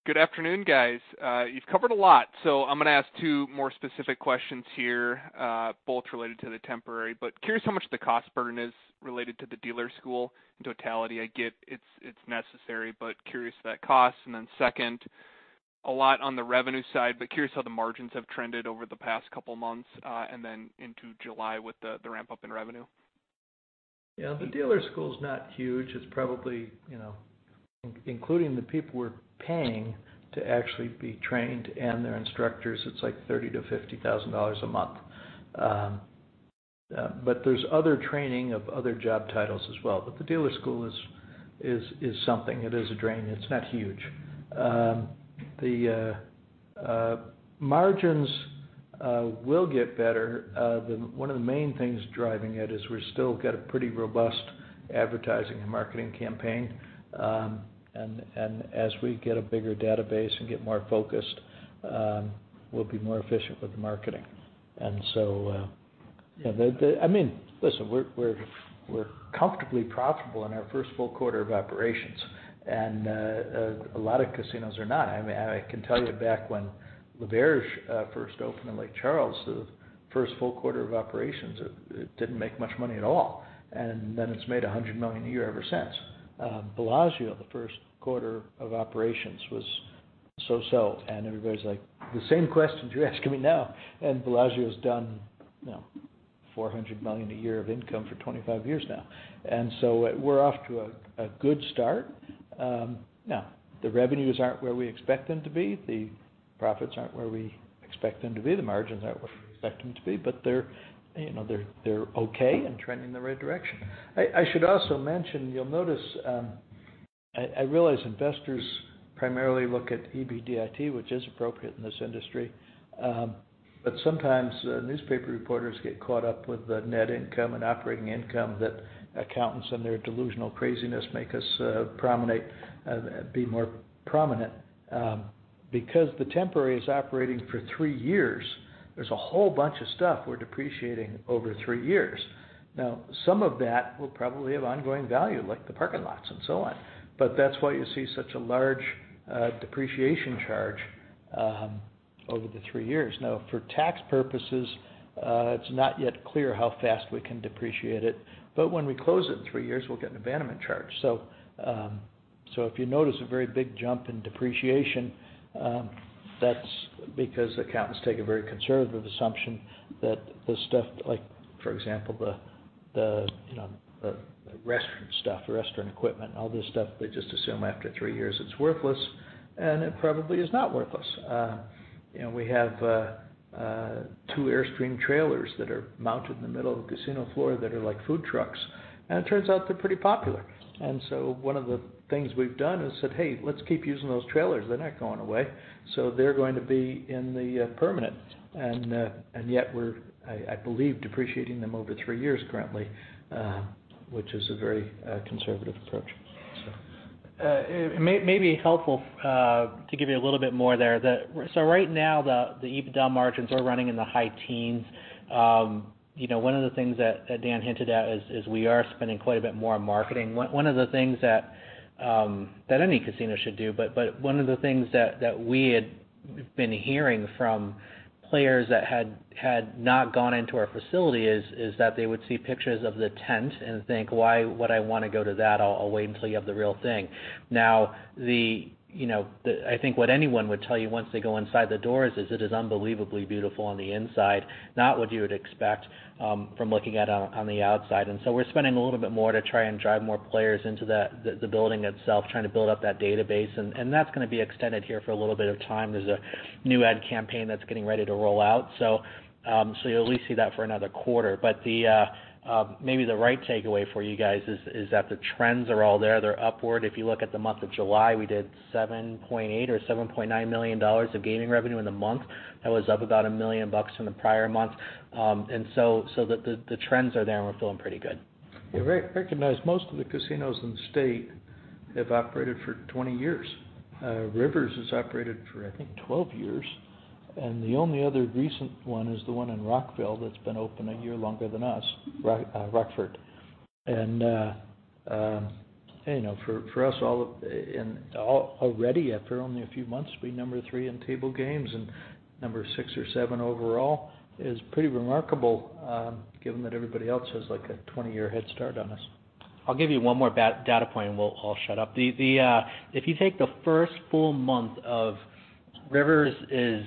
Good afternoon, guys. You've covered a lot, so I'm going to ask two more specific questions here, both related to the temporary. Curious how much the cost burden is related to the dealer school in totality? I get it's, it's necessary, but curious of that cost. Second, a lot on the revenue side, but curious how the margins have trended over the past couple of months, and then into July with the, the ramp-up in revenue? Yeah, the dealer school is not huge. It's probably, you know, including the people we're paying to actually be trained and their instructors, it's like $30,000-$50,000 a month. There's other training of other job titles as well. The dealer school is, is, is something, it is a drain. It's not huge. The margins will get better. One of the main things driving it is we've still got a pretty robust advertising and marketing campaign. As we get a bigger database and get more focused, we'll be more efficient with the marketing. I mean, listen, we're, we're, we're comfortably profitable in our first full quarter of operations, and a lot of casinos are not. I mean, I can tell you back when Rivers first opened in Lake Charles, the first full quarter of operations, it, it didn't make much money at all. Then it's made $100 million a year ever since. Bellagio, the first quarter of operations was so-so, everybody's like, the same questions you're asking me now. Bellagio has done, you know, $400 million a year of income for 25 years now. We're off to a good start. Now, the revenues aren't where we expect them to be. The profits aren't where we expect them to be. The margins aren't where we expect them to be, but they're, you know, they're, they're okay and trending in the right direction. I, I should also mention, you'll notice, I, I realize investors primarily look at EBITDA, which is appropriate in this industry. Sometimes, newspaper reporters get caught up with the net income and operating income that accountants and their delusional craziness make us be more prominent. Because the temporary is operating for three years, there's a whole bunch of stuff we're depreciating over three years. Now, some of that will probably have ongoing value, like the parking lots and so on. That's why you see such a large depreciation charge over the three years. Now, for tax purposes, it's not yet clear how fast we can depreciate it, but when we close it in three years, we'll get an abandonment charge. If you notice a very big jump in depreciation, that's because accountants take a very conservative assumption that the stuff like, for example, the, the, you know, the, the restaurant stuff, the restaurant equipment, all this stuff, they just assume after three years, it's worthless, and it probably is not worthless. You know, we have two Airstream trailers that are mounted in the middle of the casino floor that are like food trucks, and it turns out they're pretty popular. So one of the things we've done is said, "Hey, let's keep using those trailers. They're not going away." So they're going to be in the permanent. And yet we're, I, I believe, depreciating them over three years currently, which is a very conservative approach. It may be helpful to give you a little bit more there. Right now, the EBITDA margins are running in the high teens. You know, one of the things that Dan hinted at is we are spending quite a bit more on marketing. One of the things that any casino should do, but one of the things that we had been hearing from players that had not gone into our facility is that they would see pictures of the tent and think, "Why would I want to go to that? I'll, I'll wait until you have the real thing. The, you know, I think what anyone would tell you once they go inside the doors is it is unbelievably beautiful on the inside, not what you would expect from looking at it on, on the outside. We're spending a little bit more to try and drive more players into the, the, the building itself, trying to build up that database. That's going to be extended here for a little bit of time. There's a new ad campaign that's getting ready to roll out. You'll at least see that for another quarter. The, maybe the right takeaway for you guys is, is that the trends are all there. They're upward. If you look at the month of July, we did $7.8 or $7.9 million of gaming revenue in the month. That was up about $1 million from the prior month. The trends are there, and we're feeling pretty good. Yeah. Recognize most of the casinos in the state have operated for 20 years. Rivers has operated for, I think, 12 years, and the only other recent one is the one in Rockford that's been open one year longer than us, Rockford. You know, for, for us, all of, and already after only a few months, we're number three in table games and number six or seven overall, is pretty remarkable, given that everybody else has, like, a 20-year head start on us. I'll give you one more data point, and we'll all shut up. If you take the first full month of Rivers is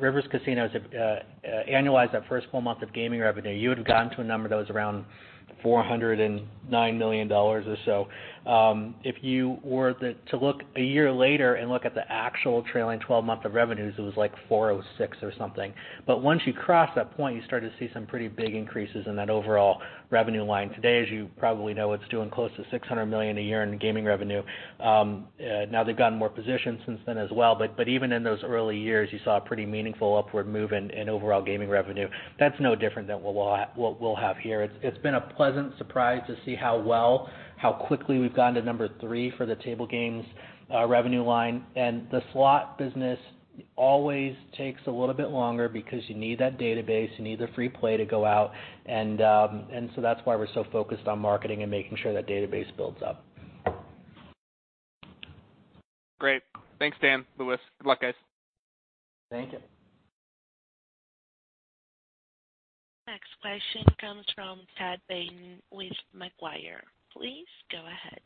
Rivers Casino's annualize that first full month of gaming revenue, you would have gotten to a number that was around $409 million or so. If you were to look a year later and look at the actual trailing 12-month of revenues, it was like $406 million or something. Once you cross that point, you start to see some pretty big increases in that overall revenue line. Today, as you probably know, it's doing close to $600 million a year in gaming revenue. Now they've gotten more positions since then as well, but even in those early years, you saw a pretty meaningful upward move in overall gaming revenue. That's no different than what we'll, what we'll have here. It's, it's been a pleasant surprise to see how well, how quickly we've gotten to number three for the table games, revenue line. The slot business always takes a little bit longer because you need that database, you need the free play to go out, and so that's why we're so focused on marketing and making sure that database builds up. Great. Thanks, Dan, Lewis. Good luck, guys. Thank you. Next question comes from Chad Beynon with Macquarie. Please go ahead.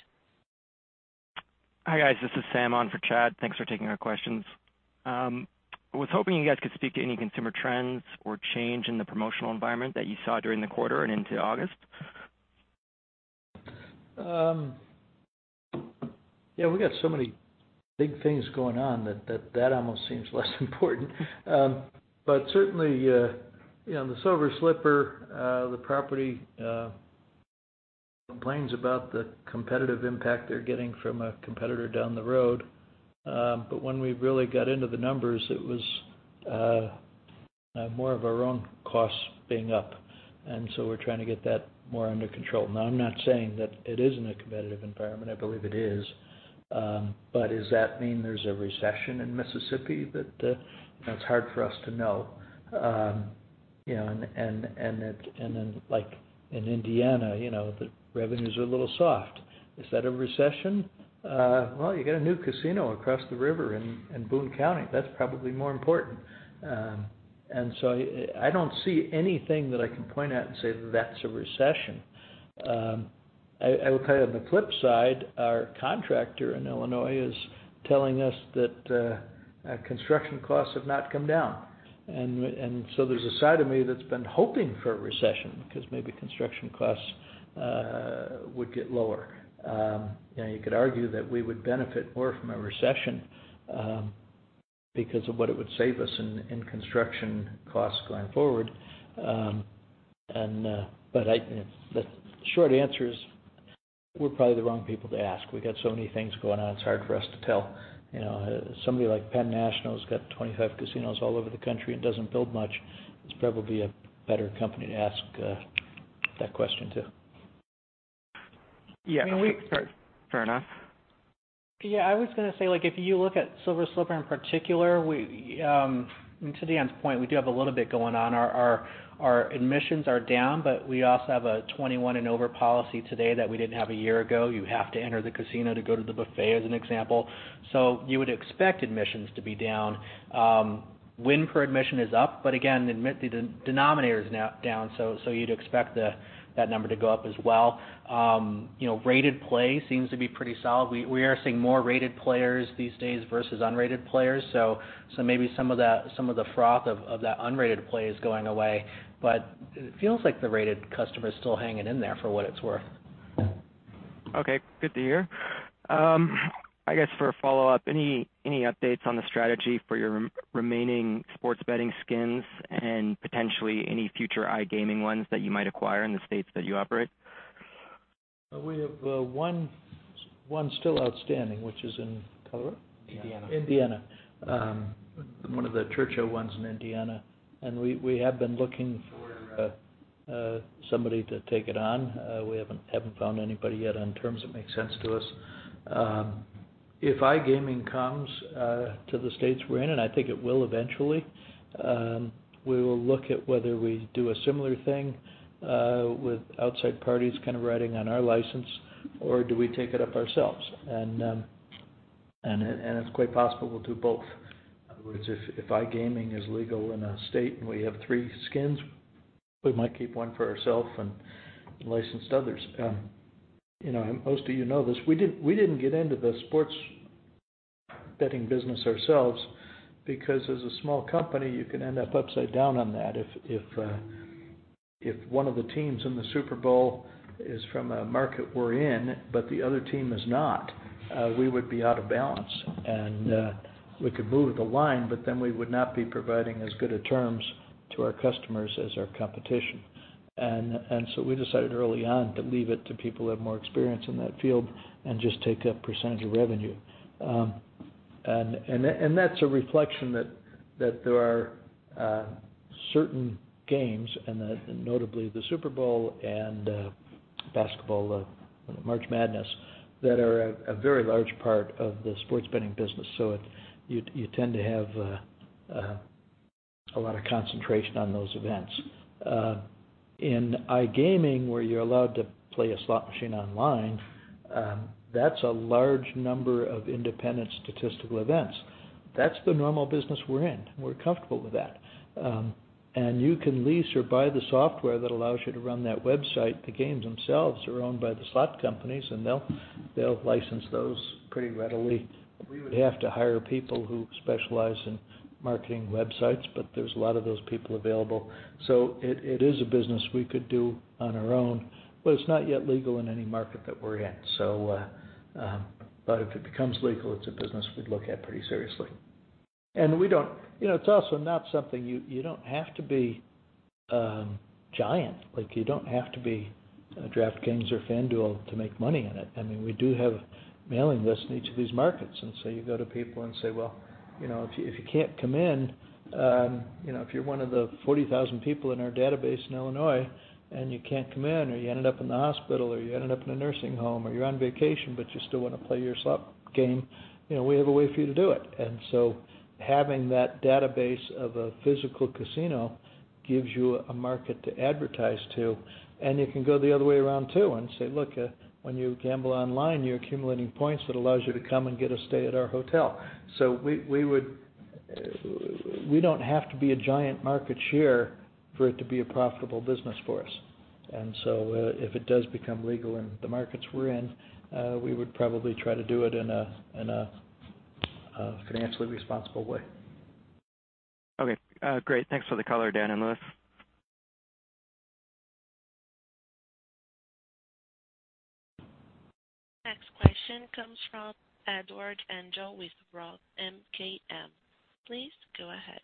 Hi, guys. This is Sam on for Chad. Thanks for taking our questions. I was hoping you guys could speak to any consumer trends or change in the promotional environment that you saw during the quarter and into August? Yeah, we got so many big things going on that, that almost seems less important. Certainly, you know, the Silver Slipper, the property, complains about the competitive impact they're getting from a competitor down the road. When we really got into the numbers, it was more of our own costs being up, we're trying to get that more under control. I'm not saying that it isn't a competitive environment. I believe it is. Does that mean there's a recession in Mississippi? That's hard for us to know. You know, like in Indiana, you know, the revenues are a little soft. Is that a recession? You got a new casino across the river in, in Boone County. That's probably more important. I, I don't see anything that I can point at and say, "That's a recession." I, I will tell you, on the flip side, our contractor in Illinois is telling us that construction costs have not come down. There's a side of me that's been hoping for a recession because maybe construction costs would get lower. You know, you could argue that we would benefit more from a recession because of what it would save us in, in construction costs going forward. The short answer is, we're probably the wrong people to ask. We got so many things going on, it's hard for us to tell. You know, somebody like Penn National has got 25 casinos all over the country and doesn't build much, is probably a better company to ask, that question to. Yeah, fair enough. Yeah, I was going to say, like, if you look at Silver Slipper in particular, we, to Dan's point, we do have a little bit going on. Our, our, our admissions are down, but we also have a 21 and over policy today that we didn't have a year ago. You have to enter the casino to go to the buffet, as an example. You would expect admissions to be down. Win per admission is up, but again, the denominator is down, so, so you'd expect that number to go up as well. You know, rated play seems to be pretty solid. We, we are seeing more rated players these days versus unrated players. So maybe some of the, some of the froth of, of that unrated play is going away, but it feels like the rated customer is still hanging in there, for what it's worth. Okay, good to hear. I guess, for a follow-up, any, any updates on the strategy for your remaining sports betting skins and potentially any future iGaming ones that you might acquire in the states that you operate? We have, one, one still outstanding, which is in Colorado? Indiana. Indiana. One of the Churchill ones in Indiana, and we, we have been looking for somebody to take it on. We haven't, haven't found anybody yet on terms that make sense to us. If iGaming comes to the states we're in, and I think it will eventually, we will look at whether we do a similar thing with outside parties kind of riding on our license, or do we take it up ourselves? And, and it's quite possible we'll do both. If iGaming is legal in a state and we have 3 skins, we might keep 1 for ourself and license others. You know, most of you know this, we didn't, we didn't get into the sports betting business ourselves because as a small company, you can end up upside down on that. If, if, if one of the teams in the Super Bowl is from a market we're in, but the other team is not, we would be out of balance and we could move the line, but then we would not be providing as good of terms to our customers as our competition. So we decided early on to leave it to people who have more experience in that field and just take a percentage of revenue. And, and that's a reflection that, that there are certain games and that, notably the Super Bowl and basketball, March Madness, that are a, a very large part of the sports betting business. You, you tend to have a lot of concentration on those events. In iGaming, where you're allowed to play a slot machine online, that's a large number of independent statistical events. That's the normal business we're in. We're comfortable with that. You can lease or buy the software that allows you to run that website. The games themselves are owned by the slot companies, and they'll, they'll license those pretty readily. We would have to hire people who specialize in marketing websites, but there's a lot of those people available. It, it is a business we could do on our own, but it's not yet legal in any market that we're in. If it becomes legal, it's a business we'd look at pretty seriously. We don't-- you know, it's also not something You, you don't have to be, giant, like, you don't have to be DraftKings or FanDuel to make money on it. I mean, we do have a mailing list in each of these markets, so you go to people and say, "Well, you know, if you, if you can't come in, you know, if you're one of the 40,000 people in our database in Illinois, and you can't come in, or you ended up in the hospital, or you ended up in a nursing home, or you're on vacation, but you still want to play your slot game, you know, we have a way for you to do it." So having that database of a physical casino gives you a market to advertise to, and you can go the other way around too and say, "Look, when you gamble online, you're accumulating points that allows you to come and get a stay at our hotel." So we, we would. we don't have to be a giant market share for it to be a profitable business for us. If it does become legal in the markets we're in, we would probably try to do it in a, in a, a financially responsible way. Okay, great. Thanks for the color, Dan and Lewis. Next question comes from Edward Engel with Roth MKM. Please go ahead.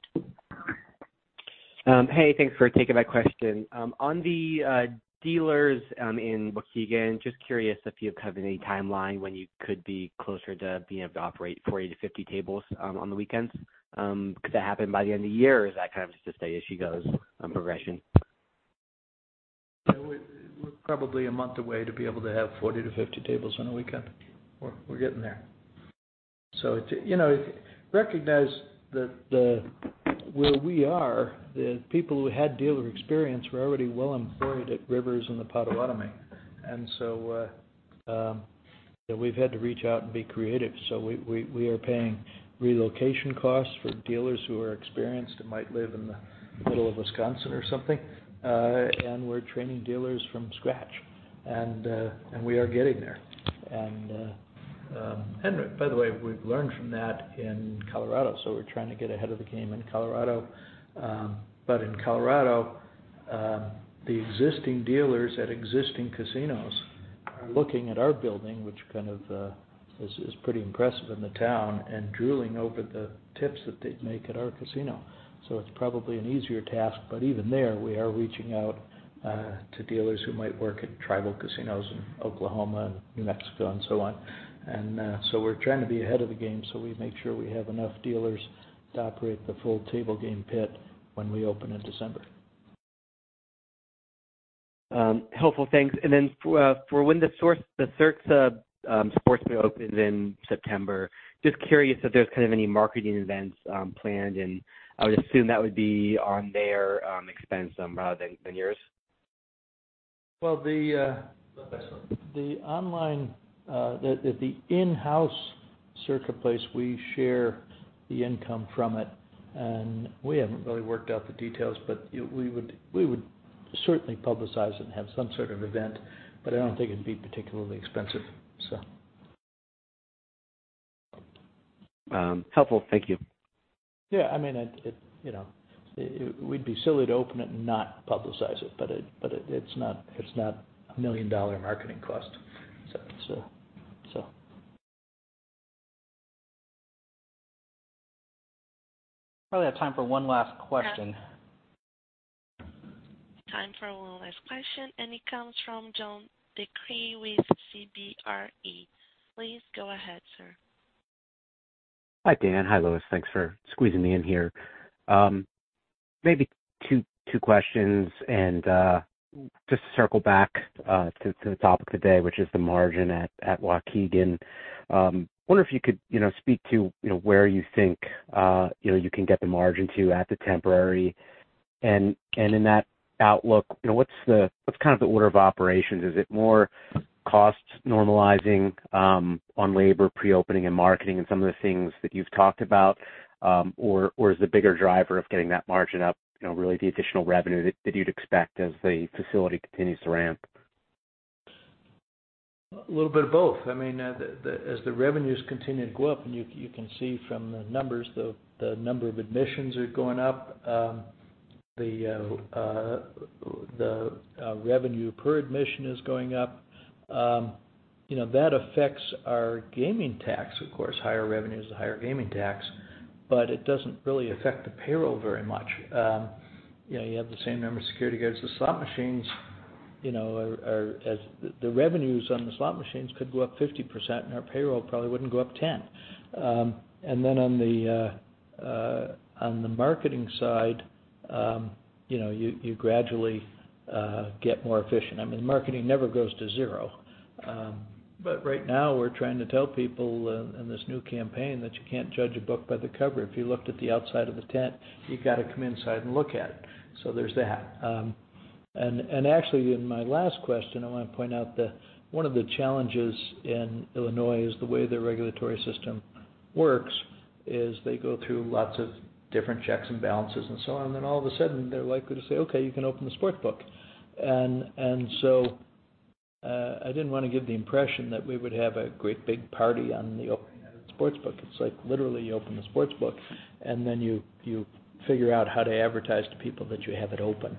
Hey, thanks for taking my question. On the dealers in Waukegan, just curious if you have any timeline when you could be closer to being able to operate 40-50 tables on the weekends? Could that happen by the end of the year, or is that kind of just as she goes on progression? We're, we're probably a month away to be able to have 40-50 tables on a weekend. We're, we're getting there. To, you know, recognize that where we are, the people who had dealer experience were already well employed at Rivers and the Potawatomi. We've had to reach out and be creative. We, we, we are paying relocation costs for dealers who are experienced and might live in the middle of Wisconsin or something. We're training dealers from scratch, and by the way, we've learned from that in Colorado, so we're trying to get ahead of the game in Colorado. In Colorado, the existing dealers at existing casinos are looking at our building, which kind of, pretty impressive in the town, and drooling over the tips that they'd make at our casino. It's probably an easier task, but even there, we are reaching out to dealers who might work at tribal casinos in Oklahoma and New Mexico and so on. We're trying to be ahead of the game, so we make sure we have enough dealers to operate the full table game pit when we open in December. Helpful, thanks. For for when the source, the Circa sports book opens in September, just curious if there's kind of any marketing events planned, and I would assume that would be on their expense rather than yours? Well, the, the online, the, the, the in-house Circa place, we share the income from it, and we haven't really worked out the details, but we would, we would certainly publicize it and have some sort of event, but I don't think it'd be particularly expensive, so. Helpful. Thank you. Yeah, I mean, it, it, you know, we'd be silly to open it and not publicize it, but it, but it, it's not, it's not a $1 million marketing cost. Probably have time for one last question. Time for one last question, and it comes from John DeCree with CBRE. Please go ahead, sir. Hi, Dan. Hi, Lewis. Thanks for squeezing me in here. maybe two, two questions, and just to circle back to, to the topic today, which is the margin at, at Waukegan. I wonder if you could, you know, speak to, you know, where you think, you know, you can get the margin to at the temporary. In that outlook, you know, what's the, what's kind of the order of operations? Is it more costs normalizing, on labor, pre-opening and marketing and some of the things that you've talked about? Is the bigger driver of getting that margin up, you know, really the additional revenue that, that you'd expect as the facility continues to ramp? A little bit of both. I mean, as the revenues continue to go up, and you, you can see from the numbers, the number of admissions are going up, the revenue per admission is going up. You know, that affects our gaming tax, of course, higher revenues and higher gaming tax, but it doesn't really affect the payroll very much. You know, you have the same number of security guards. The slot machines, you know, are the revenues on the slot machines could go up 50%, and our payroll probably wouldn't go up 10. Then on the marketing side, you know, you gradually get more efficient. I mean, marketing never goes to zero. Right now, we're trying to tell people in, in this new campaign that you can't judge a book by the cover. If you looked at the outside of the tent, you've got to come inside and look at it. There's that. Actually, in my last question, I want to point out that one of the challenges in Illinois is the way the regulatory system works, is they go through lots of different checks and balances and so on, and all of a sudden, they're likely to say, "Okay, you can open the sports book." I didn't want to give the impression that we would have a great big party on the opening of the sports book. It's like, literally, you open the sports book, and then you, you figure out how to advertise to people that you have it open.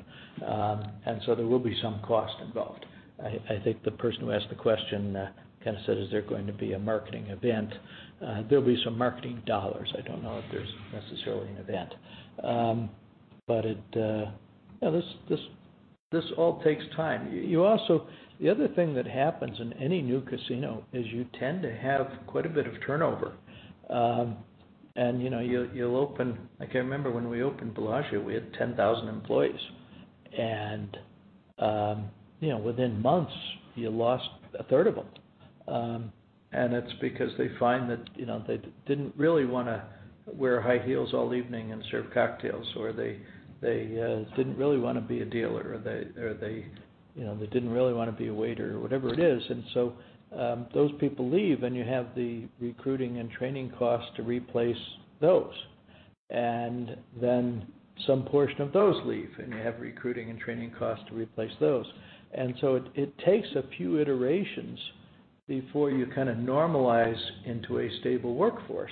So there will be some cost involved. I, I think the person who asked the question, kind of said, "Is there going to be a marketing event?" There'll be some marketing dollars. I don't know if there's necessarily an event. It, yeah, this, this, this all takes time. You also, the other thing that happens in any new casino is you tend to have quite a bit of turnover. You'll, you'll open, I can remember when we opened Bellagio, we had 10,000 employees, and, within months, you lost a third of them. It's because they find that, you know, they didn't really want to wear high heels all evening and serve cocktails, or they, they didn't really want to be a dealer, or they, or they, you know, they didn't really want to be a waiter or whatever it is. Those people leave, and you have the recruiting and training costs to replace those. Some portion of those leave, and you have recruiting and training costs to replace those. It, it takes a few iterations before you kind of normalize into a stable workforce.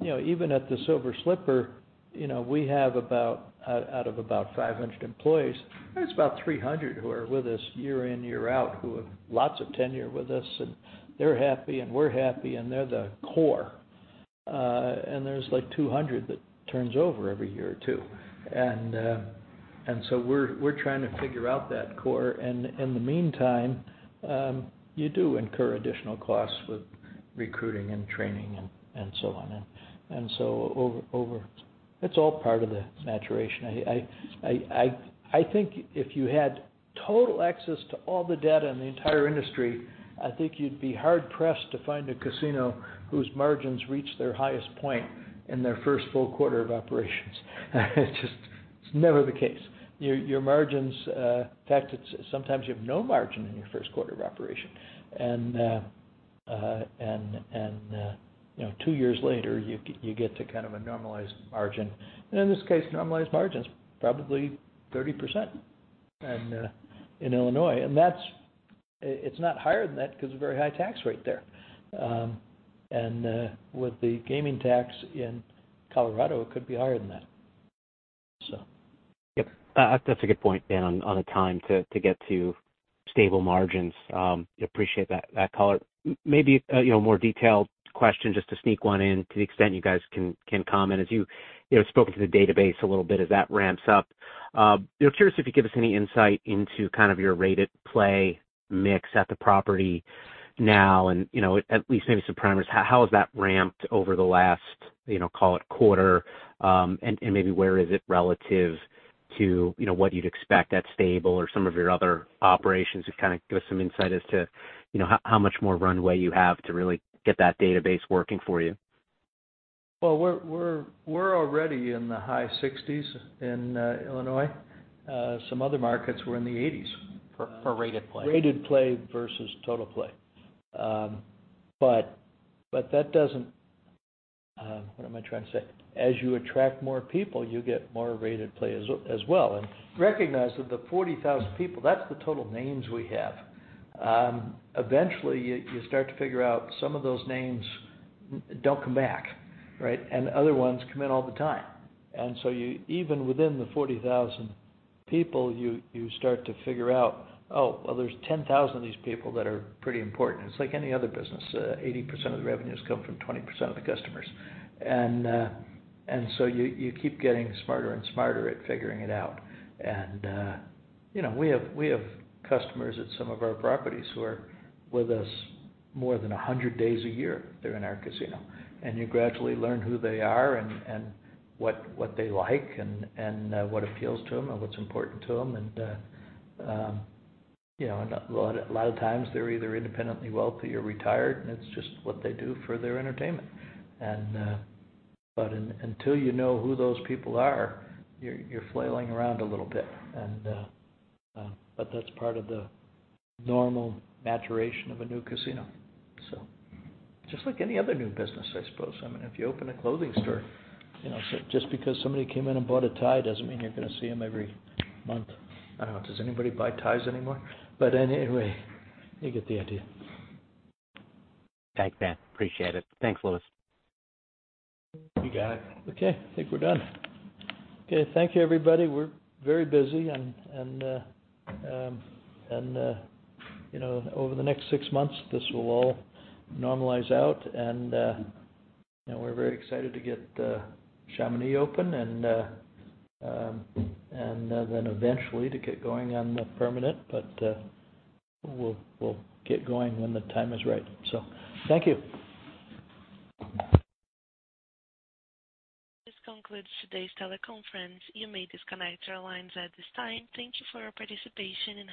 You know, even at the Silver Slipper, you know, we have about 500 employees. There's about 300 who are with us year in, year out, who have lots of tenure with us, and they're happy, and we're happy, and they're the core. There's, like, 200 that turns over every year, too. We're, we're trying to figure out that core. In the meantime, you do incur additional costs with recruiting and training and so on. Over, over, it's all part of the maturation. I, I, I, I think if you had total access to all the data in the entire industry, I think you'd be hard-pressed to find a casino whose margins reached their highest point in their first full quarter of operations. It's just, it's never the case. Your, your margins, in fact, it's sometimes you have no margin in your 1st quarter of operation. You know, two years later, you get to kind of a normalized margin. In this case, normalized margin is probably 30%, in Illinois. That's not higher than that because of very high tax rate there. With the gaming tax in Colorado, it could be higher than that, so. Yep, that's a good point, Dan, on, on the time to, to get to stable margins. Appreciate that, that color. Maybe, you know, more detailed question, just to sneak one in to the extent you guys can, can comment. As you, you know, spoke to the database a little bit as that ramps up. You know, curious if you give us any insight into kind of your rated play mix at the property now, and, you know, at least maybe some parameters. How has that ramped over the last, you know, call it quarter? And, and maybe where is it relative to, you know, what you'd expect at Stable or some of your other operations? To kind of give us some insight as to, you know, how, how much more runway you have to really get that database working for you. Well, we're, we're, we're already in the high 60s in Illinois. Some other markets we're in the 80s. For, for rated play? Rated play versus total play. As you attract more people, you get more rated play as, as well. Recognize that the 40,000 people, that's the total names we have. Eventually, you, you start to figure out some of those names don't come back, right? Other ones come in all the time. So you, even within the 40,000 people, you, you start to figure out, "Oh, well, there's 10,000 of these people that are pretty important." It's like any other business, 80% of the revenues come from 20% of the customers. So you, you keep getting smarter and smarter at figuring it out. You know, we have, we have customers at some of our properties who are with us more than 100 days a year. They're in our casino, and you gradually learn who they are and what they like, and what appeals to them and what's important to them. You know, and a lot, a lot of times they're either independently wealthy or retired, and it's just what they do for their entertainment. Until you know who those people are, you're flailing around a little bit. That's part of the normal maturation of a new casino. Just like any other new business, I suppose. I mean, if you open a clothing store, you know, just because somebody came in and bought a tie doesn't mean you're going to see them every month. I don't know. Does anybody buy ties anymore? Anyway, you get the idea. Thanks, Dan. Appreciate it. Thanks, Lewis. You got it. Okay, I think we're done. Okay, thank you, everybody. We're very busy and, and, and, you know, over the next six months, this will all normalize out. You know, we're very excited to get Chaminade open and, and, then eventually to get going on the permanent. We'll, we'll get going when the time is right. Thank you. This concludes today's teleconference. You may disconnect your lines at this time. Thank you for your participation and have a-